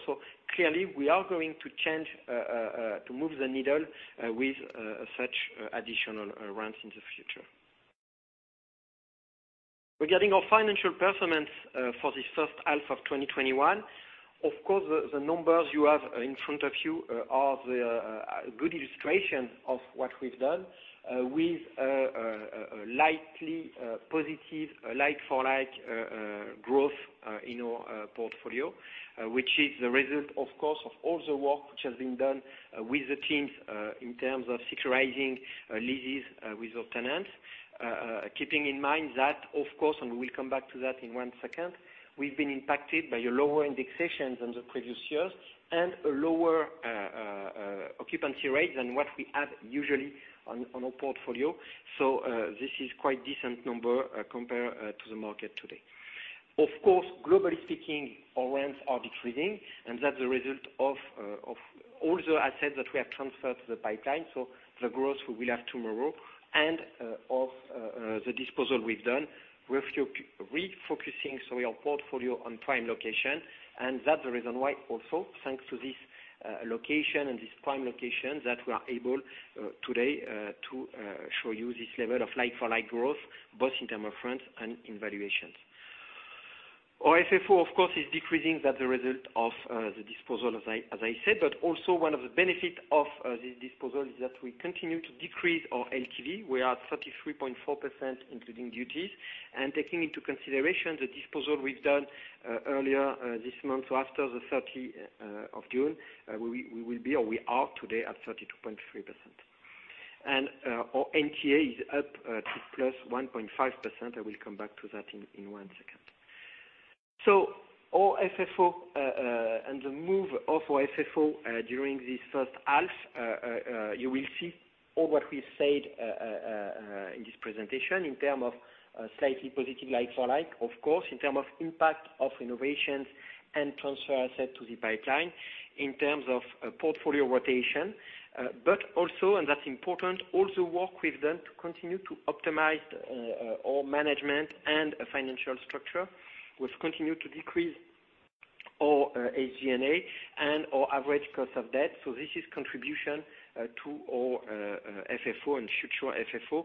Clearly, we are going to move the needle, with such additional rents in the future. Regarding our financial performance for this first half of 2021, of course, the numbers you have in front of you are the good illustration of what we've done, with lightly positive like-for-like growth in our portfolio, which is the result, of course, of all the work which has been done with the teams, in terms of securing leases with our tenants. Keeping in mind that, of course, we will come back to that in one second, we've been impacted by lower indexations than the previous years and lower occupancy rates than what we have usually on our portfolio. This is quite decent number, compared to the market today. Of course, globally speaking, our rents are decreasing, and that's a result of all the assets that we have transferred to the pipeline. The growth we will have tomorrow and of the disposal we've done. We're refocusing our portfolio on prime location. That's the reason why also thanks to this location and this prime location that we are able today to show you this level of like-for-like growth, both in term of rent and in valuations. Our FFO, of course, is decreasing. That's the result of the disposal, as I said. One of the benefit of this disposal is that we continue to decrease our LTV. We are at 33.4%, including duties. Taking into consideration the disposal we've done earlier this month, after the 30th of June, we will be, or we are today, at 32.3%. Our NTA is up to +1.5%. I will come back to that in one second. Our FFO, and the move of our FFO, during this first half, you will see all what we said in this presentation in term of slightly positive like-for-like. In term of impact of renovations and transfer asset to the pipeline, in terms of portfolio rotation. Also, that's important, all the work we've done to continue to optimize our management and financial structure, we've continued to decrease our AGNA and our average cost of debt. This is contribution to our FFO and future FFO.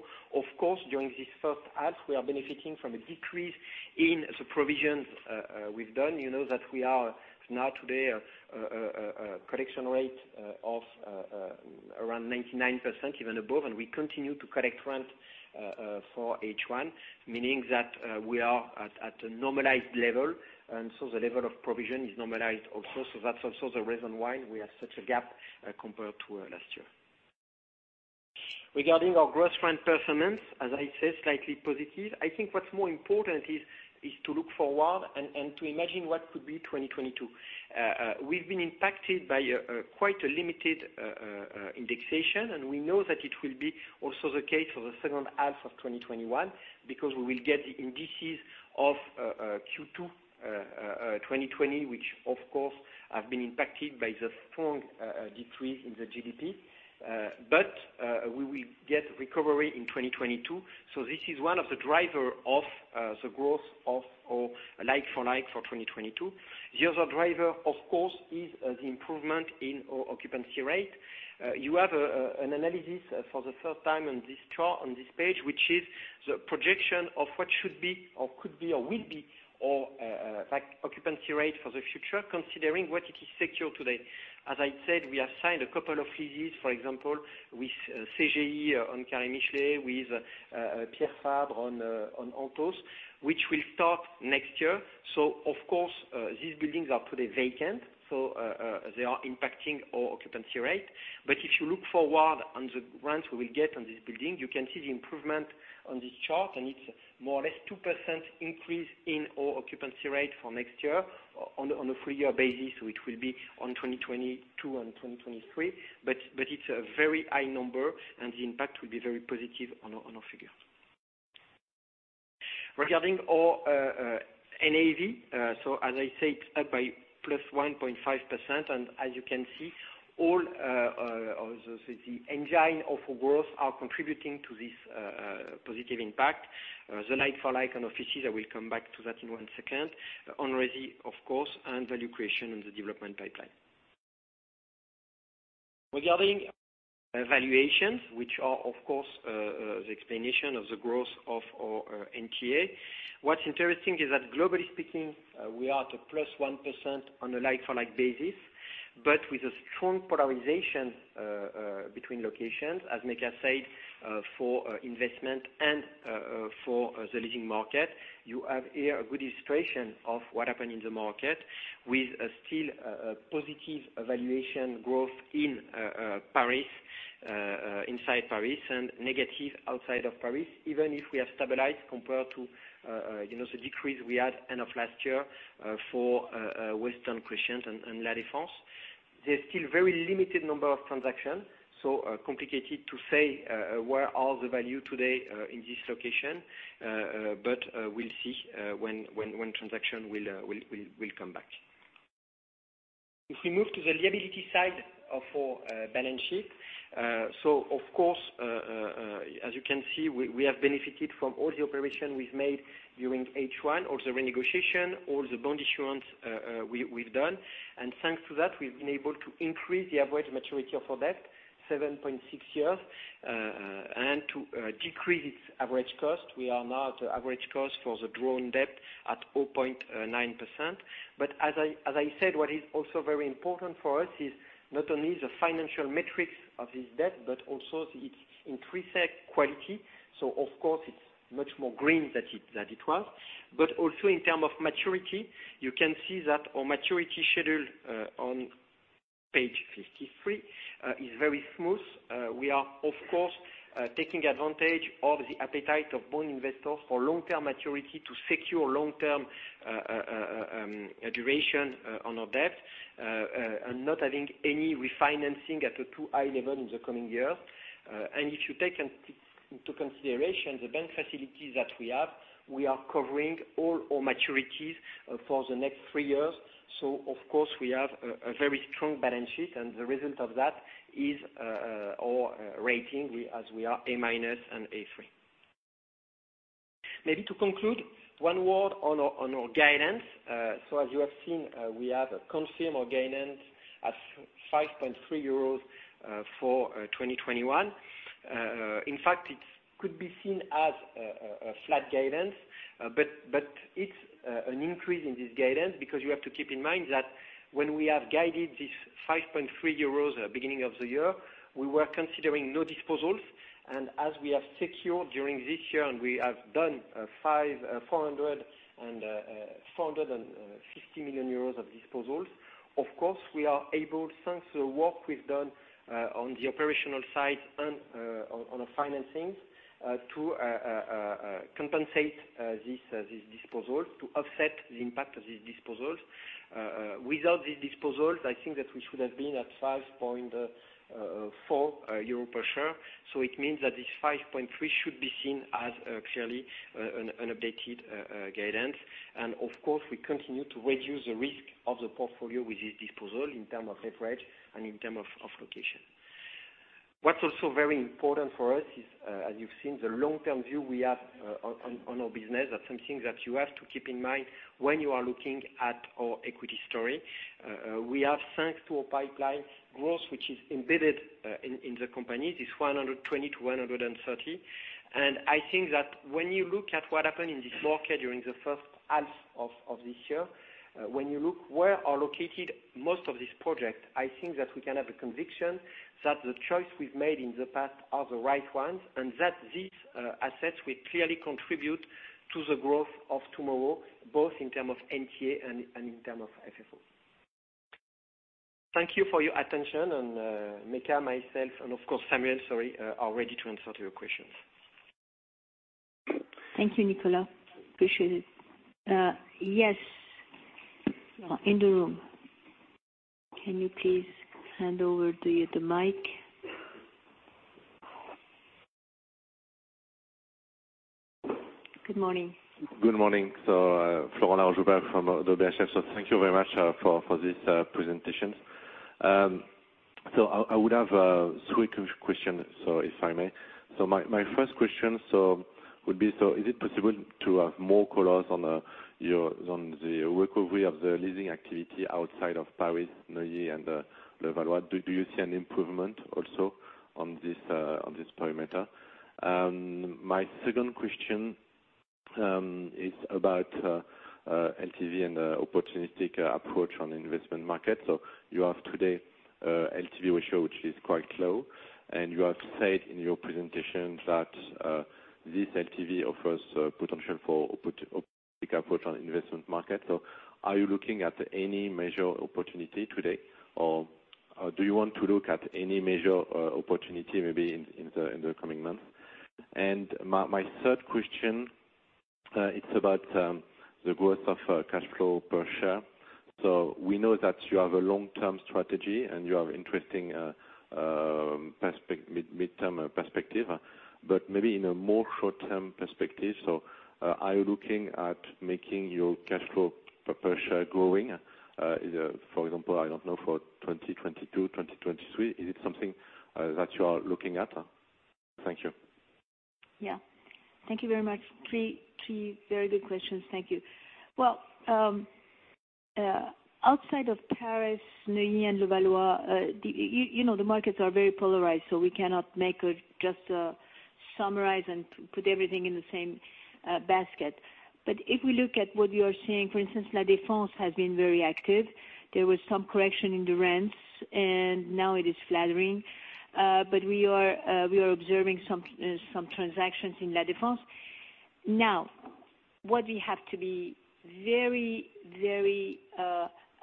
During this first half, we are benefiting from a decrease in the provisions we've done. You know that we are now today a collection rate of around 99%, even above. We continue to collect rent for H1, meaning that we are at a normalized level, the level of provision is normalized also. That's also the reason why we have such a gap, compared to last year. Regarding our gross rent performance, as I said, slightly positive. I think what's more important is to look forward and to imagine what could be 2022. We've been impacted by quite a limited indexation, we know that it will be also the case for the second half of 2021, because we will get the indices of Q2 2020, which, of course, have been impacted by the strong decrease in the GDP. We will get recovery in 2022. This is one of the driver of the growth of our like-for-like for 2022. The other driver, of course, is the improvement in our occupancy rate. You have an analysis for the first time on this chart on this page, which is the projection of what should be or could be or will be our like occupancy rate for the future, considering what it is secure today. As I said, we have signed a couple of leases, for example, with CJE on Carré Michelet, with Pierre Fabre on Anthos, which will start next year. Of course, these buildings are today vacant, they are impacting our occupancy rate. If you look forward on the rent we will get on this building, you can see the improvement on this chart, it's more or less 2% increase in our occupancy rate for next year on a full year basis, which will be on 2022 and 2023. It's a very high number, the impact will be very positive on our figures. Regarding our NAV. As I said, up by +1.5%, and as you can see, all of the engine of growth are contributing to this positive impact. The like-for-like on offices, I will come back to that in one second. On Resi, of course, and value creation in the development pipeline. Regarding valuations, which are, of course, the explanation of the growth of our NTA. What's interesting is that globally speaking, we are at a +1% on a like-for-like basis, but with a strong polarization between locations, as Méka said, for investment and for the leading market. You have here a good illustration of what happened in the market with a still positive valuation growth in Paris, inside Paris, and negative outside of Paris, even if we have stabilized compared to the decrease we had end of last year for Western Crescent and La Défense. There's still very limited number of transactions, complicated to say where are the value today in this location. We'll see when transaction will come back. If we move to the liability side of our balance sheet. Of course, as you can see, we have benefited from all the operation we've made during H1, all the renegotiation, all the bond issuance we've done. Thanks to that, we've been able to increase the average maturity of our debt 7.6 years, and to decrease its average cost. We are now at the average cost for the drawn debt at 0.9%. As I said, what is also very important for us is not only the financial metrics of this debt, but also its intrinsic quality. Of course, it's much more green than it was. Also in terms of maturity, you can see that our maturity schedule on page 53 is very smooth. We are, of course, taking advantage of the appetite of bond investors for long-term maturity to secure long-term duration on our debt, and not having any refinancing at a too high level in the coming year. If you take into consideration the bank facilities that we have, we are covering all our maturities for the next 3 years. Of course, we have a very strong balance sheet, and the result of that is our rating as we are A- and A3. Maybe to conclude, one word on our guidance. As you have seen, we have confirmed our guidance at 5.3 euros for 2021. In fact, it could be seen as a flat guidance, but it's an increase in this guidance because you have to keep in mind that when we have guided this 5.3 euros beginning of the year, we were considering no disposals. As we have secured during this year, and we have done 450 million euros of disposals, of course, we are able, thanks to the work we've done on the operational side and on our financings, to compensate this disposal to offset the impact of these disposals. Without these disposals, I think that we should have been at 5.4 euro per share. It means that this 5.3 should be seen as clearly an updated guidance. Of course, we continue to reduce the risk of the portfolio with this disposal in terms of leverage and in terms of location. What's also very important for us is, as you've seen, the long-term view we have on our business. That's something that you have to keep in mind when you are looking at our equity story. We have, thanks to our pipeline growth, which is embedded in the company, this 120 to 130. I think that when you look at what happened in this market during the first half of this year, when you look where are located most of these projects, I think that we can have a conviction that the choice we've made in the past are the right ones, and that these assets will clearly contribute to the growth of tomorrow, both in term of NTA and in term of FFO. Thank you for your attention and Mecca, myself, and of course Samuel, sorry, are ready to answer your questions. Thank you, Nicolas. Appreciate it. Yes. In the room. Can you please hand over the mic? Good morning. Good morning. Florent Laroche-Joubert from UBS. Thank you very much for this presentation. I would have three questions, if I may. My first question would be, is it possible to have more colors on the recovery of the leasing activity outside of Paris, Neuilly and Levallois. Do you see an improvement also on this parameter? My second question is about LTV and opportunistic approach on investment market. You have today, LTV ratio, which is quite low, and you have said in your presentation that this LTV offers potential for opportunistic approach on investment market. Are you looking at any major opportunity today or do you want to look at any major opportunity maybe in the coming months? My third question, it's about the growth of cash flow per share. We know that you have a long-term strategy and you have interesting midterm perspective, but maybe in a more short-term perspective, are you looking at making your cash flow per share growing, for example, I don't know, for 2022, 2023? Is it something that you are looking at? Thank you. Thank you very much. Three very good questions. Thank you. Outside of Paris, Neuilly and Levallois, the markets are very polarized, we cannot make just a summarize and put everything in the same basket. If we look at what you are seeing, for instance, La Défense has been very active. There was some correction in the rents, and now it is flattering. We are observing some transactions in La Défense. What we have to be very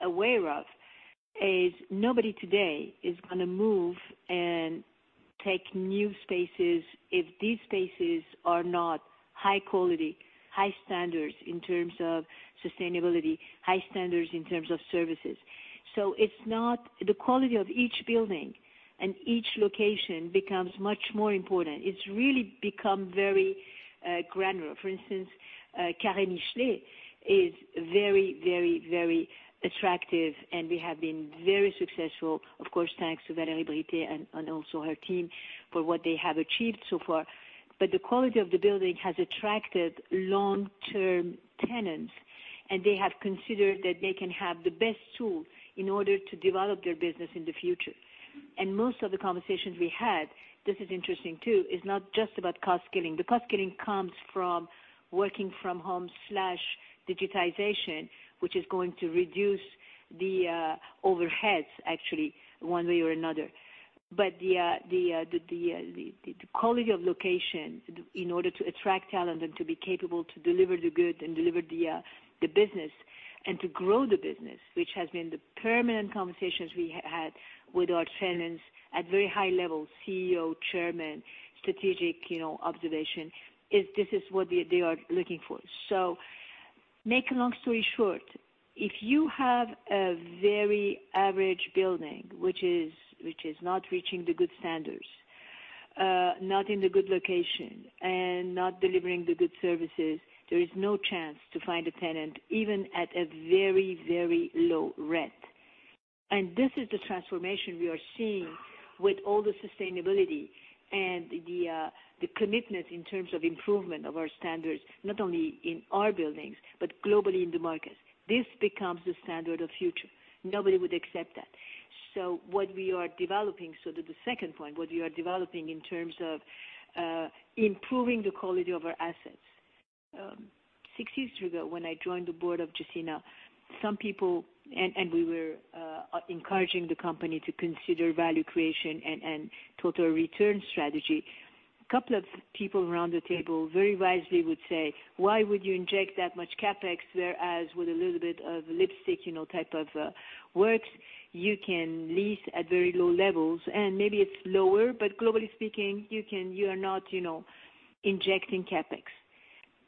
aware of is nobody today is going to move and take new spaces if these spaces are not high quality, high standards in terms of sustainability, high standards in terms of services. The quality of each building and each location becomes much more important. It's really become very granular. For instance, Carré Michelet is very attractive, and we have been very successful, of course, thanks to Valérie Britay and also her team for what they have achieved so far. The quality of the building has attracted long-term tenants, and they have considered that they can have the best tool in order to develop their business in the future. Most of the conversations we had, this is interesting too, is not just about cost-cutting. The cost-cutting comes from working from home/digitization, which is going to reduce the overheads actually, one way or another. The quality of location in order to attract talent and to be capable to deliver the good and deliver the business and to grow the business, which has been the permanent conversations we had with our tenants at very high level, CEO, chairman, strategic observation, this is what they are looking for. If you have a very average building, which is not reaching the good standards, not in the good location, and not delivering the good services, there is no chance to find a tenant, even at a very low rent. This is the transformation we are seeing with all the sustainability and the commitment in terms of improvement of our standards, not only in our buildings, but globally in the markets. This becomes the standard of future. Nobody would accept that. What we are developing, the second point, what we are developing in terms of improving the quality of our assets. Six years ago, when I joined the board of Gecina, some people, and we were encouraging the company to consider value creation and total return strategy. A couple of people around the table very wisely would say, "Why would you inject that much CapEx, whereas with a little bit of lipstick, type of works you can lease at very low levels, and maybe it's lower, but globally speaking, you are not injecting CapEx."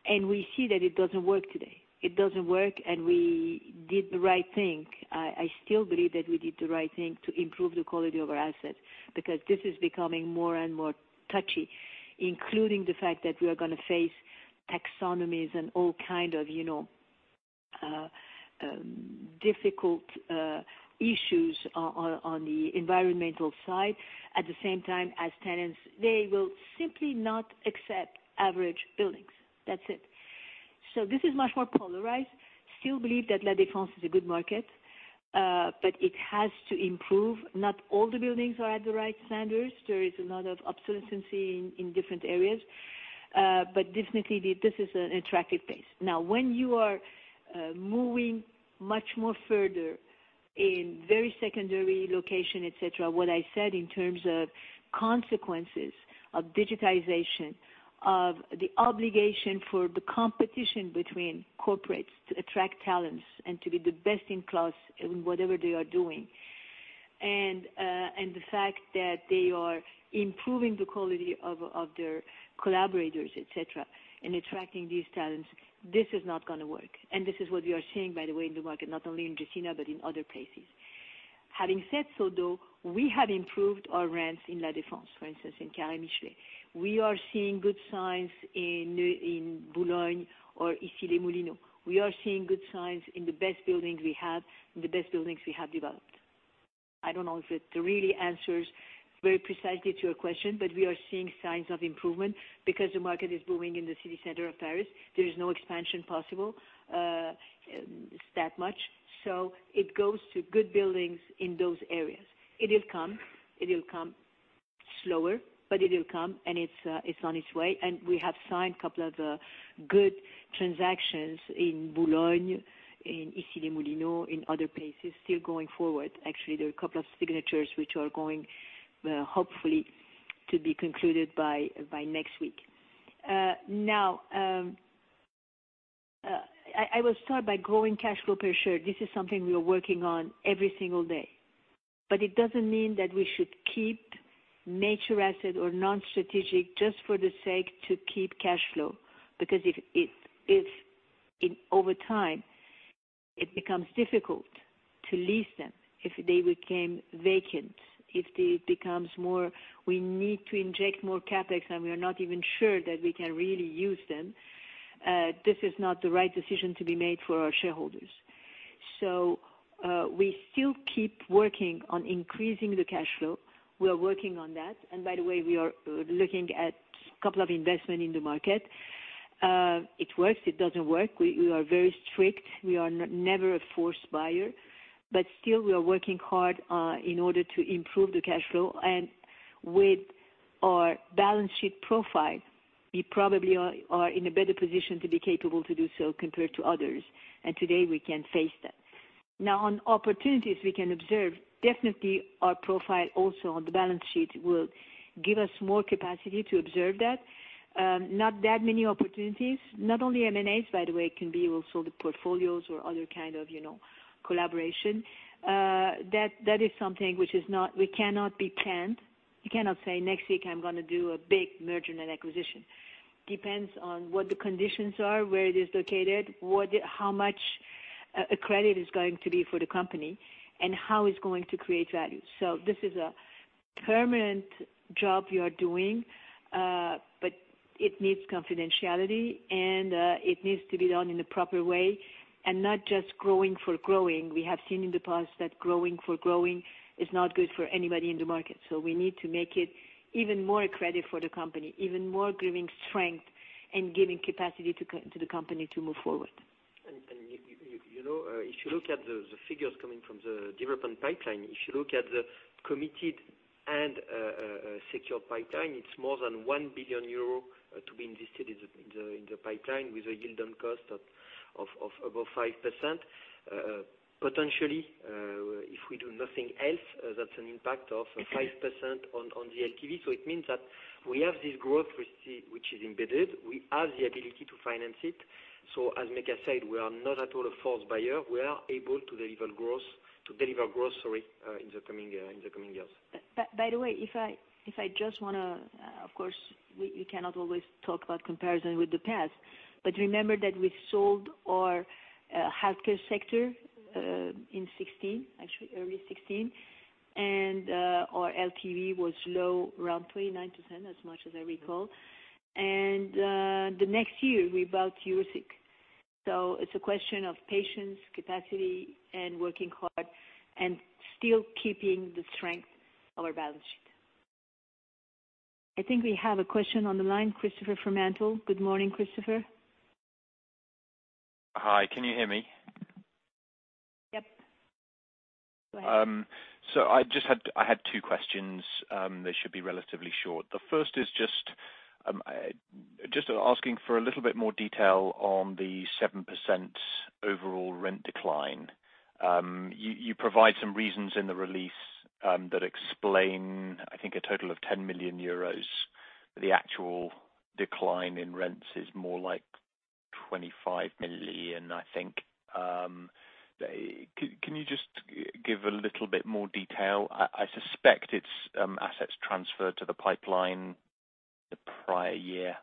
We see that it doesn't work today. It doesn't work, and we did the right thing. I still believe that we did the right thing to improve the quality of our assets because this is becoming more and more touchy, including the fact that we are going to face taxonomies and all kind of difficult issues on the environmental side. At the same time as tenants, they will simply not accept average buildings. That's it. This is much more polarized. Still believe that La Défense is a good market, but it has to improve. Not all the buildings are at the right standards. There is a lot of obsolescence in different areas. Definitely, this is an attractive place. When you are moving much more further in very secondary location, et cetera, what I said in terms of consequences of digitization, of the obligation for the competition between corporates to attract talents and to be the best in class in whatever they are doing The fact that they are improving the quality of their collaborators, et cetera, and attracting these talents, this is not going to work. This is what we are seeing, by the way, in the market, not only in Gecina but in other places. Having said so, though, we have improved our rents in La Défense, for instance, in Carré Michelet. We are seeing good signs in Boulogne or Issy-les-Moulineaux. We are seeing good signs in the best buildings we have, in the best buildings we have developed. I don't know if it really answers very precisely to your question, but we are seeing signs of improvement because the market is booming in the city center of Paris. There is no expansion possible that much. It goes to good buildings in those areas. It will come. It will come slower, but it will come, and it's on its way. We have signed couple of good transactions in Boulogne, in Issy-les-Moulineaux, in other places still going forward. Actually, there are a couple of signatures which are going hopefully to be concluded by next week. I will start by growing cash flow per share. This is something we are working on every single day. It doesn't mean that we should keep nature asset or non-strategic just for the sake to keep cash flow. Because if over time, it becomes difficult to lease them, if they became vacant, if we need to inject more CapEx, and we are not even sure that we can really use them, this is not the right decision to be made for our shareholders. We still keep working on increasing the cash flow. We are working on that. By the way, we are looking at couple of investment in the market. It works, it doesn't work. We are very strict. We are never a forced buyer, still we are working hard in order to improve the cash flow. With our balance sheet profile, we probably are in a better position to be capable to do so compared to others. Today, we can face that. On opportunities we can observe, definitely our profile also on the balance sheet will give us more capacity to observe that. Not that many opportunities, not only M&As, by the way, it can be also the portfolios or other kind of collaboration. That is something which cannot be planned. You cannot say, "Next week, I'm going to do a big merger and acquisition." Depends on what the conditions are, where it is located, how much accredit is going to be for the company, and how it's going to create value. This is a permanent job you are doing, it needs confidentiality, and it needs to be done in a proper way and not just growing for growing. We have seen in the past that growing for growing is not good for anybody in the market. We need to make it even more accredit for the company, even more giving strength and giving capacity to the company to move forward. If you look at the figures coming from the development pipeline, if you look at the committed and secured pipeline, it is more than 1 billion euro to be invested in the pipeline with a yield on cost of above 5%. Potentially, if we do nothing else, that is an impact of 5% on the LTV. It means that we have this growth which is embedded. We have the ability to finance it. As Méka said, we are not at all a forced buyer. We are able to deliver growth in the coming years. By the way, of course, we cannot always talk about comparison with the past, remember that we sold our healthcare sector in early 2016, and our LTV was low, around 29%, as much as I recall. The next year, we bought Eurosic. It is a question of patience, capacity, and working hard and still keeping the strength of our balance sheet. I think we have a question on the line, Christopher Fremantle. Good morning, Christopher. Hi, can you hear me? Yep. Go ahead. I had two questions. They should be relatively short. The first is just asking for a little bit more detail on the 7% overall rent decline. You provide some reasons in the release that explain, I think, a total of 10 million euros. The actual decline in rents is more like 25 million, I think. Can you just give a little bit more detail? I suspect it is assets transferred to the pipeline the prior year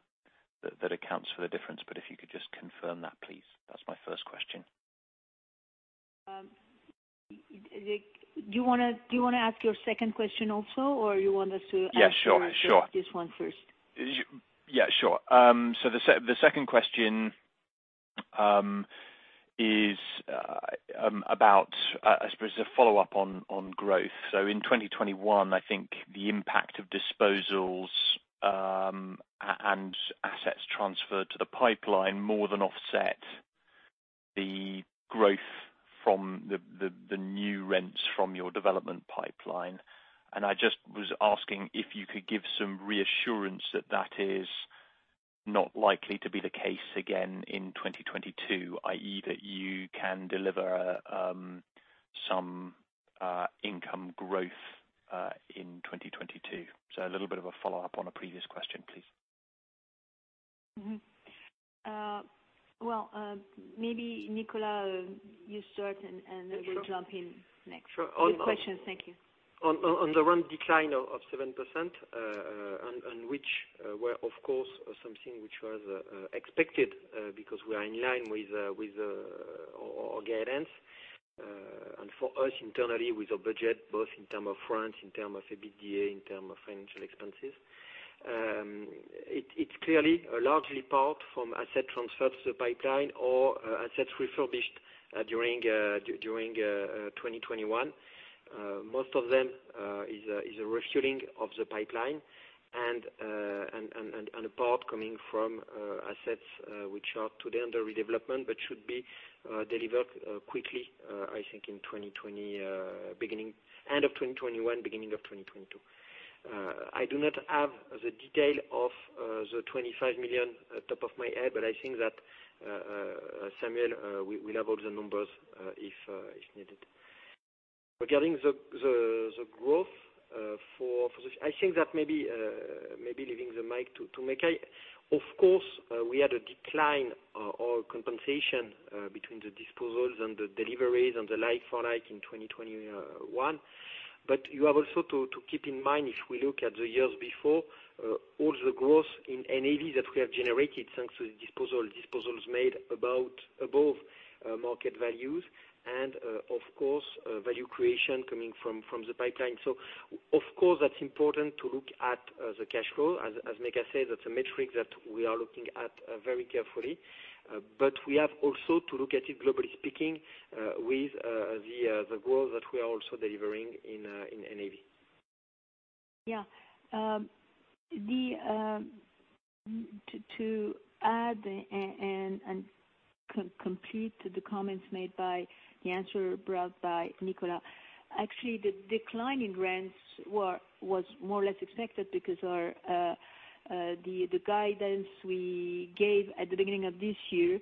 that accounts for the difference, but if you could just confirm that, please. That is my first question. Do you want to ask your second question also, or you want us to answer? Yeah, sure. This one first? Yeah, sure. The second question is about, I suppose, a follow-up on growth. In 2021, I think the impact of disposals and assets transferred to the pipeline more than offset the growth from the new rents from your development pipeline. I just was asking if you could give some reassurance that that is not likely to be the case again in 2022, i.e., that you can deliver some income growth in 2022. A little bit of a follow-up on a previous question, please. Well, maybe Nicolas, you start and then we'll jump in next. Good question. Thank you. On the rent decline of 7%, which were, of course, something which was expected, because we are in line with our guidance. For us, internally, with our budget, both in term of France, in term of EBITDA, in term of financial expenses. It's clearly a large part from asset transfer to the pipeline or assets refurbished during 2021. Most of them is a refueling of the pipeline, a part coming from assets which are today under redevelopment, but should be delivered quickly, I think end of 2021, beginning of 2022. I do not have the detail of the 25 million top of my head, but I think that Samuel will have all the numbers if needed. Regarding the growth, I think that maybe leaving the mic to Mecca. We had a decline or compensation between the disposals and the deliveries and the like for like in 2021. You have also to keep in mind, if we look at the years before, all the growth in NAV that we have generated, thanks to the disposals made above market values and, of course, value creation coming from the pipeline. That's important to look at the cash flow. As Mecca said, that's a metric that we are looking at very carefully. We have also to look at it, globally speaking, with the growth that we are also delivering in NAV. To add and complete the comments made by the answer brought by Nicolas. Actually, the decline in rents was more or less expected because the guidance we gave at the beginning of this year,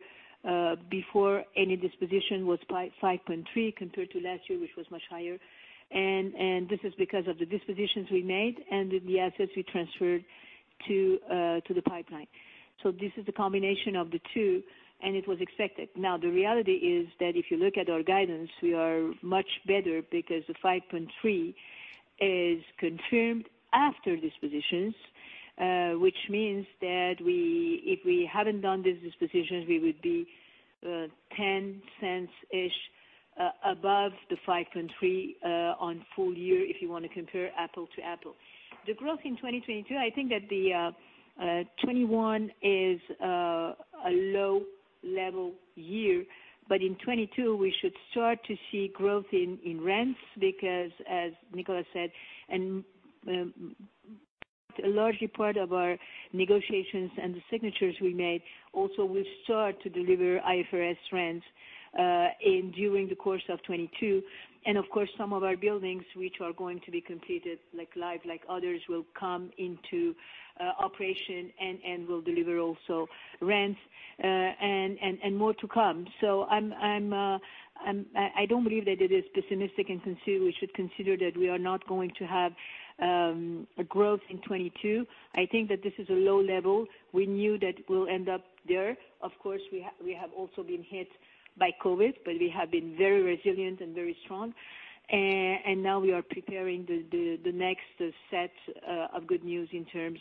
before any disposition, was by 5.3% compared to last year, which was much higher. This is because of the dispositions we made and the assets we transferred to the pipeline. This is a combination of the two, and it was expected. Now, the reality is that if you look at our guidance, we are much better because the 5.3% is confirmed after dispositions, which means that if we haven't done these dispositions, we would be 0.10-ish above the 5.3% on full year, if you want to compare apple to apple. The growth in 2022, I think that the 2021 is a low level year. In 2022, we should start to see growth in rents because, as Nicolas said, a largely part of our negotiations and the signatures we made also will start to deliver IFRS rents during the course of 2022. Of course, some of our buildings which are going to be completed, like L1ve, like others, will come into operation and will deliver also rents, and more to come. I don't believe that it is pessimistic, and we should consider that we are not going to have a growth in 2022. I think that this is a low level. We knew that we'll end up there. Of course, we have also been hit by COVID, but we have been very resilient and very strong. Now we are preparing the next set of good news in terms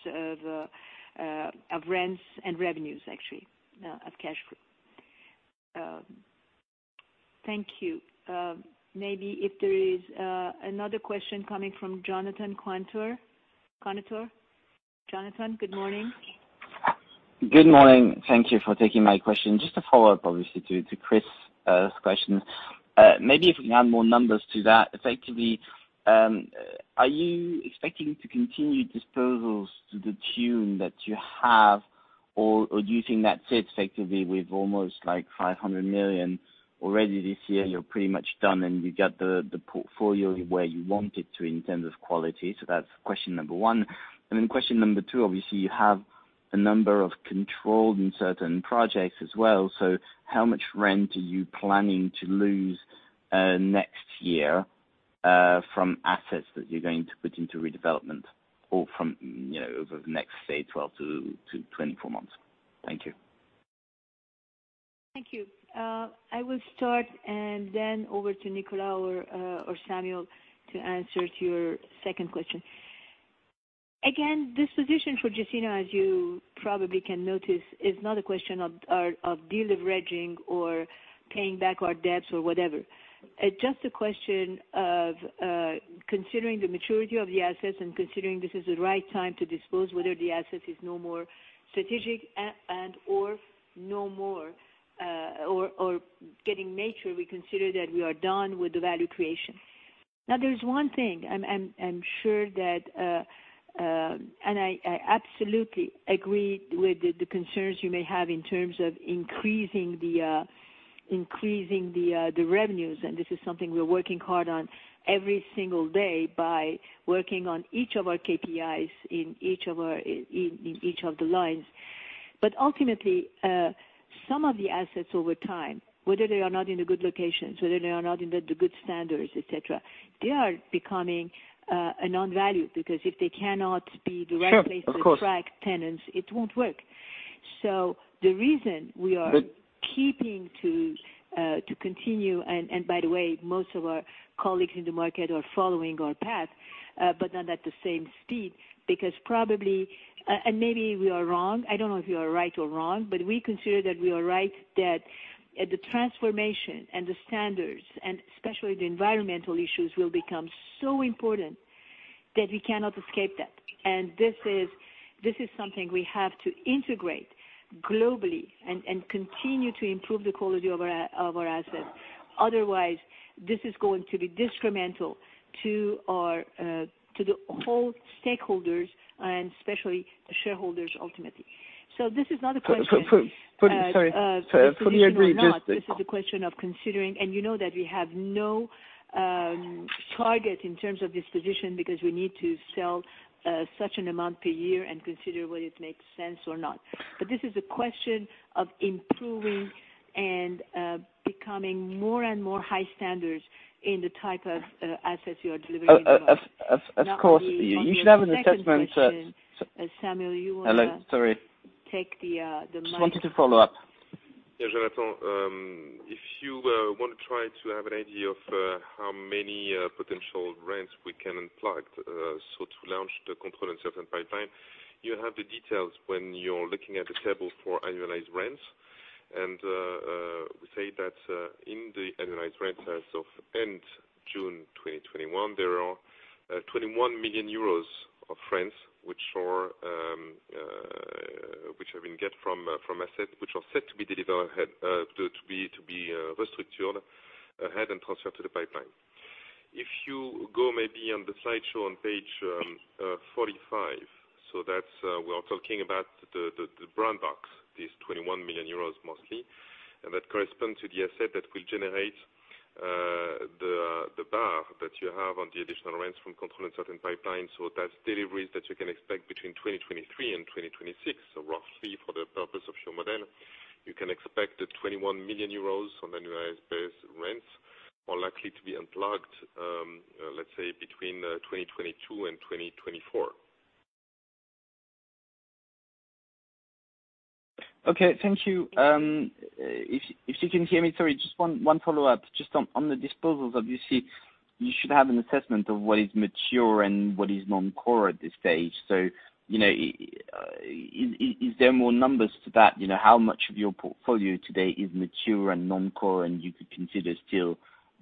of rents and revenues, actually, of cash flow. Thank you. Maybe if there is another question coming from Jonathan Kownator. Jonathan, good morning. Good morning. Thank you for taking my question. Just a follow-up, obviously, to Chris' question. Maybe if we can add more numbers to that. Effectively, are you expecting to continue disposals to the tune that you have, or do you think that's it, effectively, with almost 500 million already this year, you are pretty much done, and you got the portfolio where you want it to in terms of quality? That's question number one. Question number two, obviously, you have a number of controlled and certain projects as well. How much rent are you planning to lose next year from assets that you are going to put into redevelopment or over the next, say, 12-24 months? Thank you. Thank you. I will start and then over to Nicolas or Samuel to answer to your second question. Disposition for Gecina, as you probably can notice, is not a question of deleveraging or paying back our debts or whatever. It's just a question of considering the maturity of the assets and considering this is the right time to dispose, whether the asset is no more strategic and/or getting mature, we consider that we are done with the value creation. There's one thing. I absolutely agree with the concerns you may have in terms of increasing the revenues, and this is something we are working hard on every single day by working on each of our KPIs in each of the lines. Ultimately, some of the assets over time, whether they are not in a good location, whether they are not in the good standards, et cetera, they are becoming a nonvalue, because if they cannot be the right place- Sure. Of course to attract tenants, it won't work. The reason we are keeping to continue, and by the way, most of our colleagues in the market are following our path, but not at the same speed, because probably, and maybe we are wrong, I don't know if we are right or wrong, but we consider that we are right that the transformation and the standards and especially the environmental issues will become so important that we cannot escape that. This is something we have to integrate globally and continue to improve the quality of our assets. Otherwise, this is going to be detrimental to the whole stakeholders and especially the shareholders ultimately. This is not a question. Sorry. Fully agree. This is a question of considering, and you know that we have no target in terms of disposition because we need to sell such an amount per year and consider whether it makes sense or not. This is a question of improving and becoming more and more high standards in the type of assets you are delivering as well. Of course. You should have an assessment. On your second question, Samuel, you will. Hello. Sorry. Take the mic. Just wanted to follow up. Yeah, Jonathan. If you want to try to have an idea of how many potential rents we can unplug, to launch the control and certain pipeline, you have the details when you are looking at the table for annualized rents. We say that, in the annualized rents as of end June 2021, there are EUR 21 million of rents, which have been get from asset, which are set to be delivered ahead, to be restructured ahead and transferred to the pipeline. If you go maybe on the slideshow on page 45, we are talking about the brown box, these 21 million euros mostly, that corresponds to the asset that will generate the bar that you have on the additional rents from control and certain pipelines. That is deliveries that you can expect between 2023 and 2026. Roughly, for the purpose of your model, you can expect the 21 million euros on annualized base rents are likely to be unplugged, let's say between 2022 and 2024. Okay. Thank you. If you can hear me, sorry, just one follow-up. Just on the disposals, obviously you should have an assessment of what is mature and what is non-core at this stage. Is there more numbers to that? How much of your portfolio today is mature and non-core and you could consider still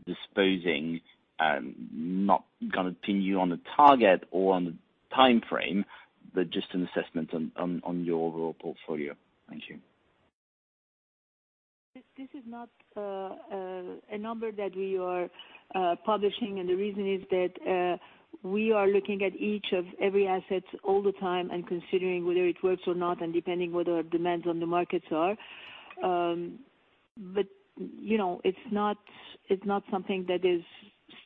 disposing? Not going to pin you on a target or on the timeframe, but just an assessment on your overall portfolio. Thank you. This is not a number that we are publishing, the reason is that we are looking at each of every asset all the time and considering whether it works or not, and depending what our demands on the markets are. It is not something that is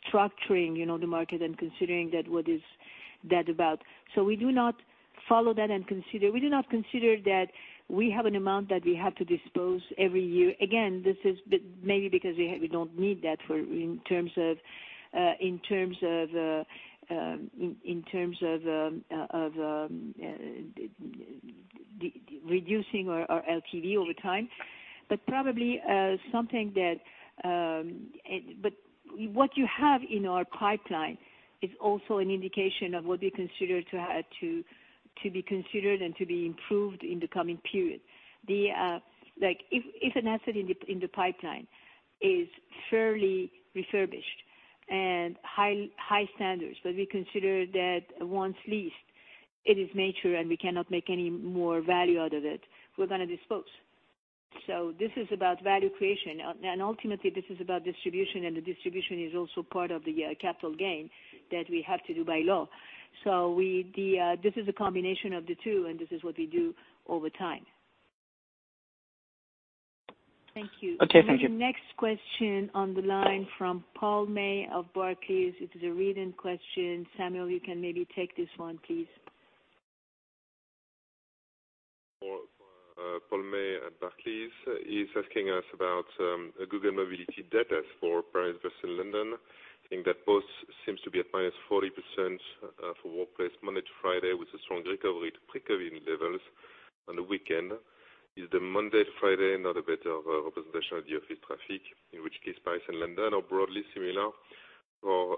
structuring the market and considering that what is that about. We do not follow that and consider. We do not consider that we have an amount that we have to dispose every year. Again, this is maybe because we do not need that in terms of reducing our LTV over time. What you have in our pipeline is also an indication of what we consider to be considered and to be improved in the coming period. If an asset in the pipeline is fairly refurbished and high standards, but we consider that once leased, it is mature and we cannot make any more value out of it, we're going to dispose. This is about value creation. Ultimately this is about distribution, and the distribution is also part of the capital gain that we have to do by law. This is a combination of the two, and this is what we do over time. Thank you. Okay. Thank you. Next question on the line from Paul May of Barclays. It is a read-in question. Samuel, you can maybe take this one, please. Paul May at Barclays. He's asking us about Google Mobility data for Paris versus London. I think that both seems to be at -40% for workplace Monday to Friday with a strong recovery to pre-COVID levels on the weekend. Is the Monday to Friday not a better representation of the office traffic, in which case Paris and London are broadly similar for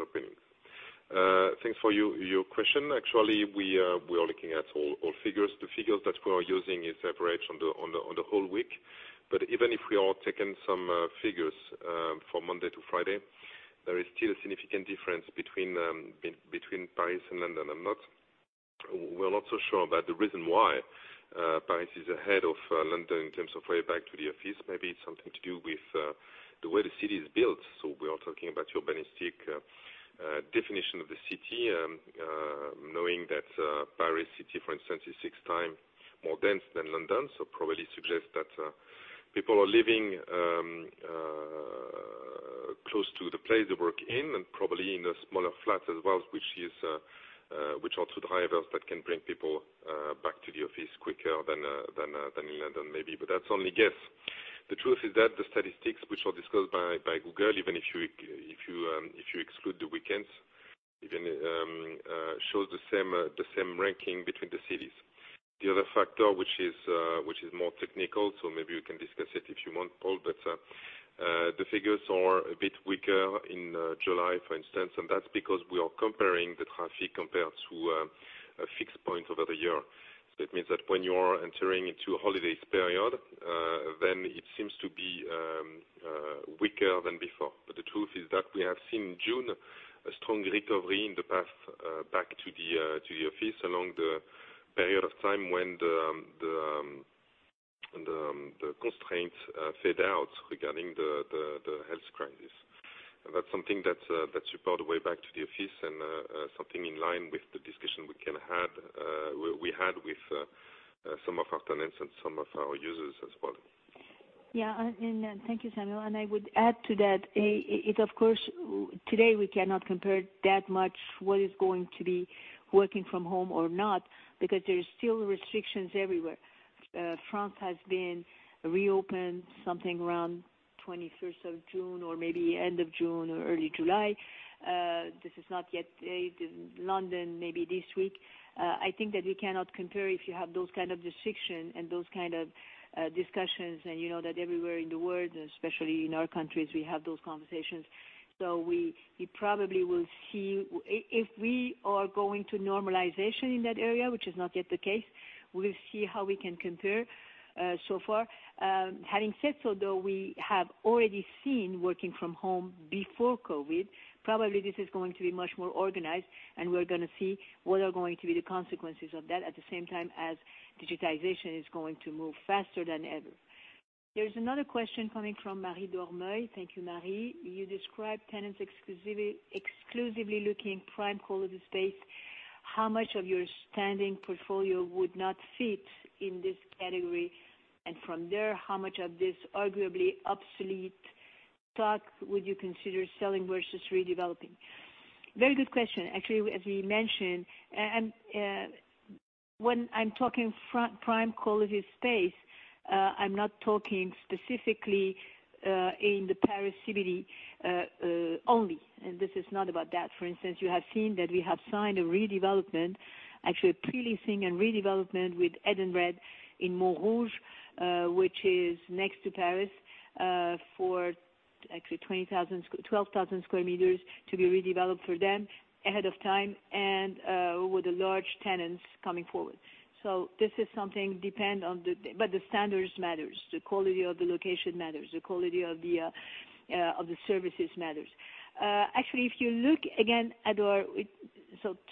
openings? Thanks for your question. Actually, we are looking at all figures. The figures that we are using is average on the whole week. Even if we are taking some figures from Monday to Friday, there is still a significant difference between Paris and London. We're not so sure about the reason why Paris is ahead of London in terms of way back to the office. Maybe it's something to do with the way the city is built. We are talking about urbanistic definition of the city, knowing that Paris city, for instance, is six times more dense than London. That people are living close to the place they work in and probably in a smaller flat as well, which are also drivers that can bring people back to the office quicker than in London, maybe. That's only a guess. The truth is that the statistics, which are disclosed by Google, even if you exclude the weekends, shows the same ranking between the cities. The other factor, which is more technical, maybe you can discuss it if you want, Paul, but the figures are a bit weaker in July, for instance, and that's because we are comparing the traffic compared to a fixed point over the year. That means that when you are entering into a holidays period, it seems to be weaker than before. The truth is that we have seen in June a strong recovery in the path back to the office along the period of time when the constraints fade out regarding the health crisis. That's something that should go the way back to the office and something in line with the discussion we had with some of our tenants and some of our users as well. Yeah, thank you, Samuel. I would add to that, it of course, today we cannot compare that much what is going to be working from home or not, because there is still restrictions everywhere. France has been reopened something around 21st of June or maybe end of June or early July. This is not yet in London, maybe this week. I think that we cannot compare if you have those kind of restrictions and those kind of discussions and you know that everywhere in the world, especially in our countries, we have those conversations. We probably will see, if we are going to normalization in that area, which is not yet the case, we will see how we can compare so far. Having said so, though, we have already seen working from home before COVID, probably this is going to be much more organized, and we're going to see what are going to be the consequences of that at the same time as digitization is going to move faster than ever. There is another question coming from Marie Dormeuil. Thank you, Marie. You describe tenants exclusively looking prime quality space. How much of your standing portfolio would not fit in this category? From there, how much of this arguably obsolete stock would you consider selling versus redeveloping? Very good question. Actually, as we mentioned, when I'm talking prime quality space, I'm not talking specifically in the Paris CBD only. This is not about that. For instance, you have seen that we have signed a redevelopment, actually pre-leasing and redevelopment with Edenred in Montrouge, which is next to Paris, for actually 12,000 sq m to be redeveloped for them ahead of time and with the large tenants coming forward. The standards matters, the quality of the location matters, the quality of the services matters. Actually, if you look again at our—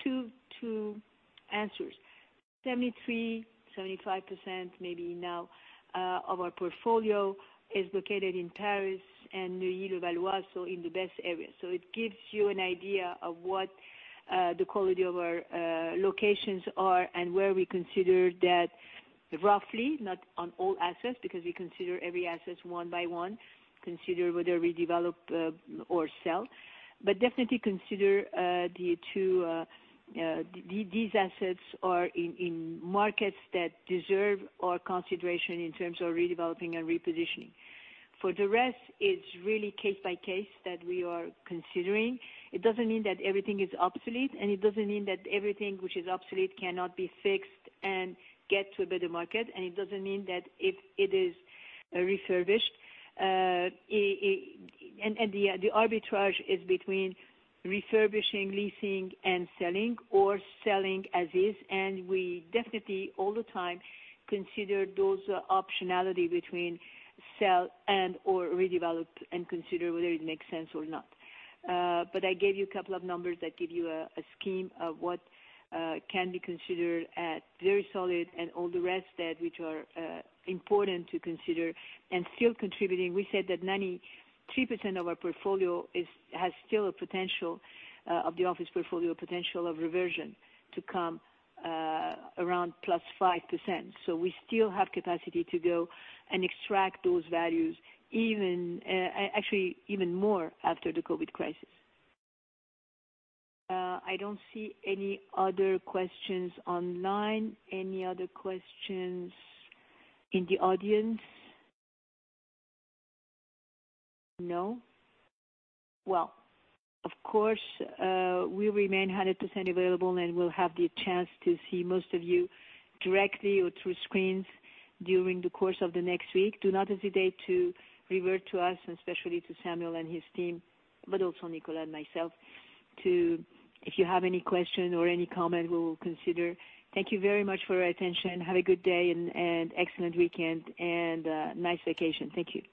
two answers. 73%-75%, maybe now, of our portfolio is located in Paris and Neuilly, Levallois, so in the best area. It gives you an idea of what the quality of our locations are and where we consider that roughly, not on all assets, because we consider every asset one by one, consider whether redevelop or sell. Definitely consider these assets are in markets that deserve our consideration in terms of redeveloping and repositioning. For the rest, it's really case by case that we are considering. It doesn't mean that everything is obsolete, and it doesn't mean that everything which is obsolete cannot be fixed and get to a better market, and it doesn't mean that if it is refurbished. The arbitrage is between refurbishing, leasing and selling or selling as is. We definitely, all the time, consider those optionality between sell and/or redevelop and consider whether it makes sense or not. I gave you a couple of numbers that give you a scheme of what can be considered as very solid and all the rest that which are important to consider and still contributing. We said that 93% of our portfolio has still a potential, of the office portfolio, potential of reversion to come, around +5%. We still have capacity to go and extract those values, actually, even more after the COVID crisis. I don't see any other questions online. Any other questions in the audience? No? Well, of course, we remain 100% available, and we'll have the chance to see most of you directly or through screens during the course of the next week. Do not hesitate to revert to us, especially to Samuel and his team, but also Nicolas and myself, if you have any question or any comment, we will consider. Thank you very much for your attention. Have a good day and excellent weekend and nice vacation. Thank you.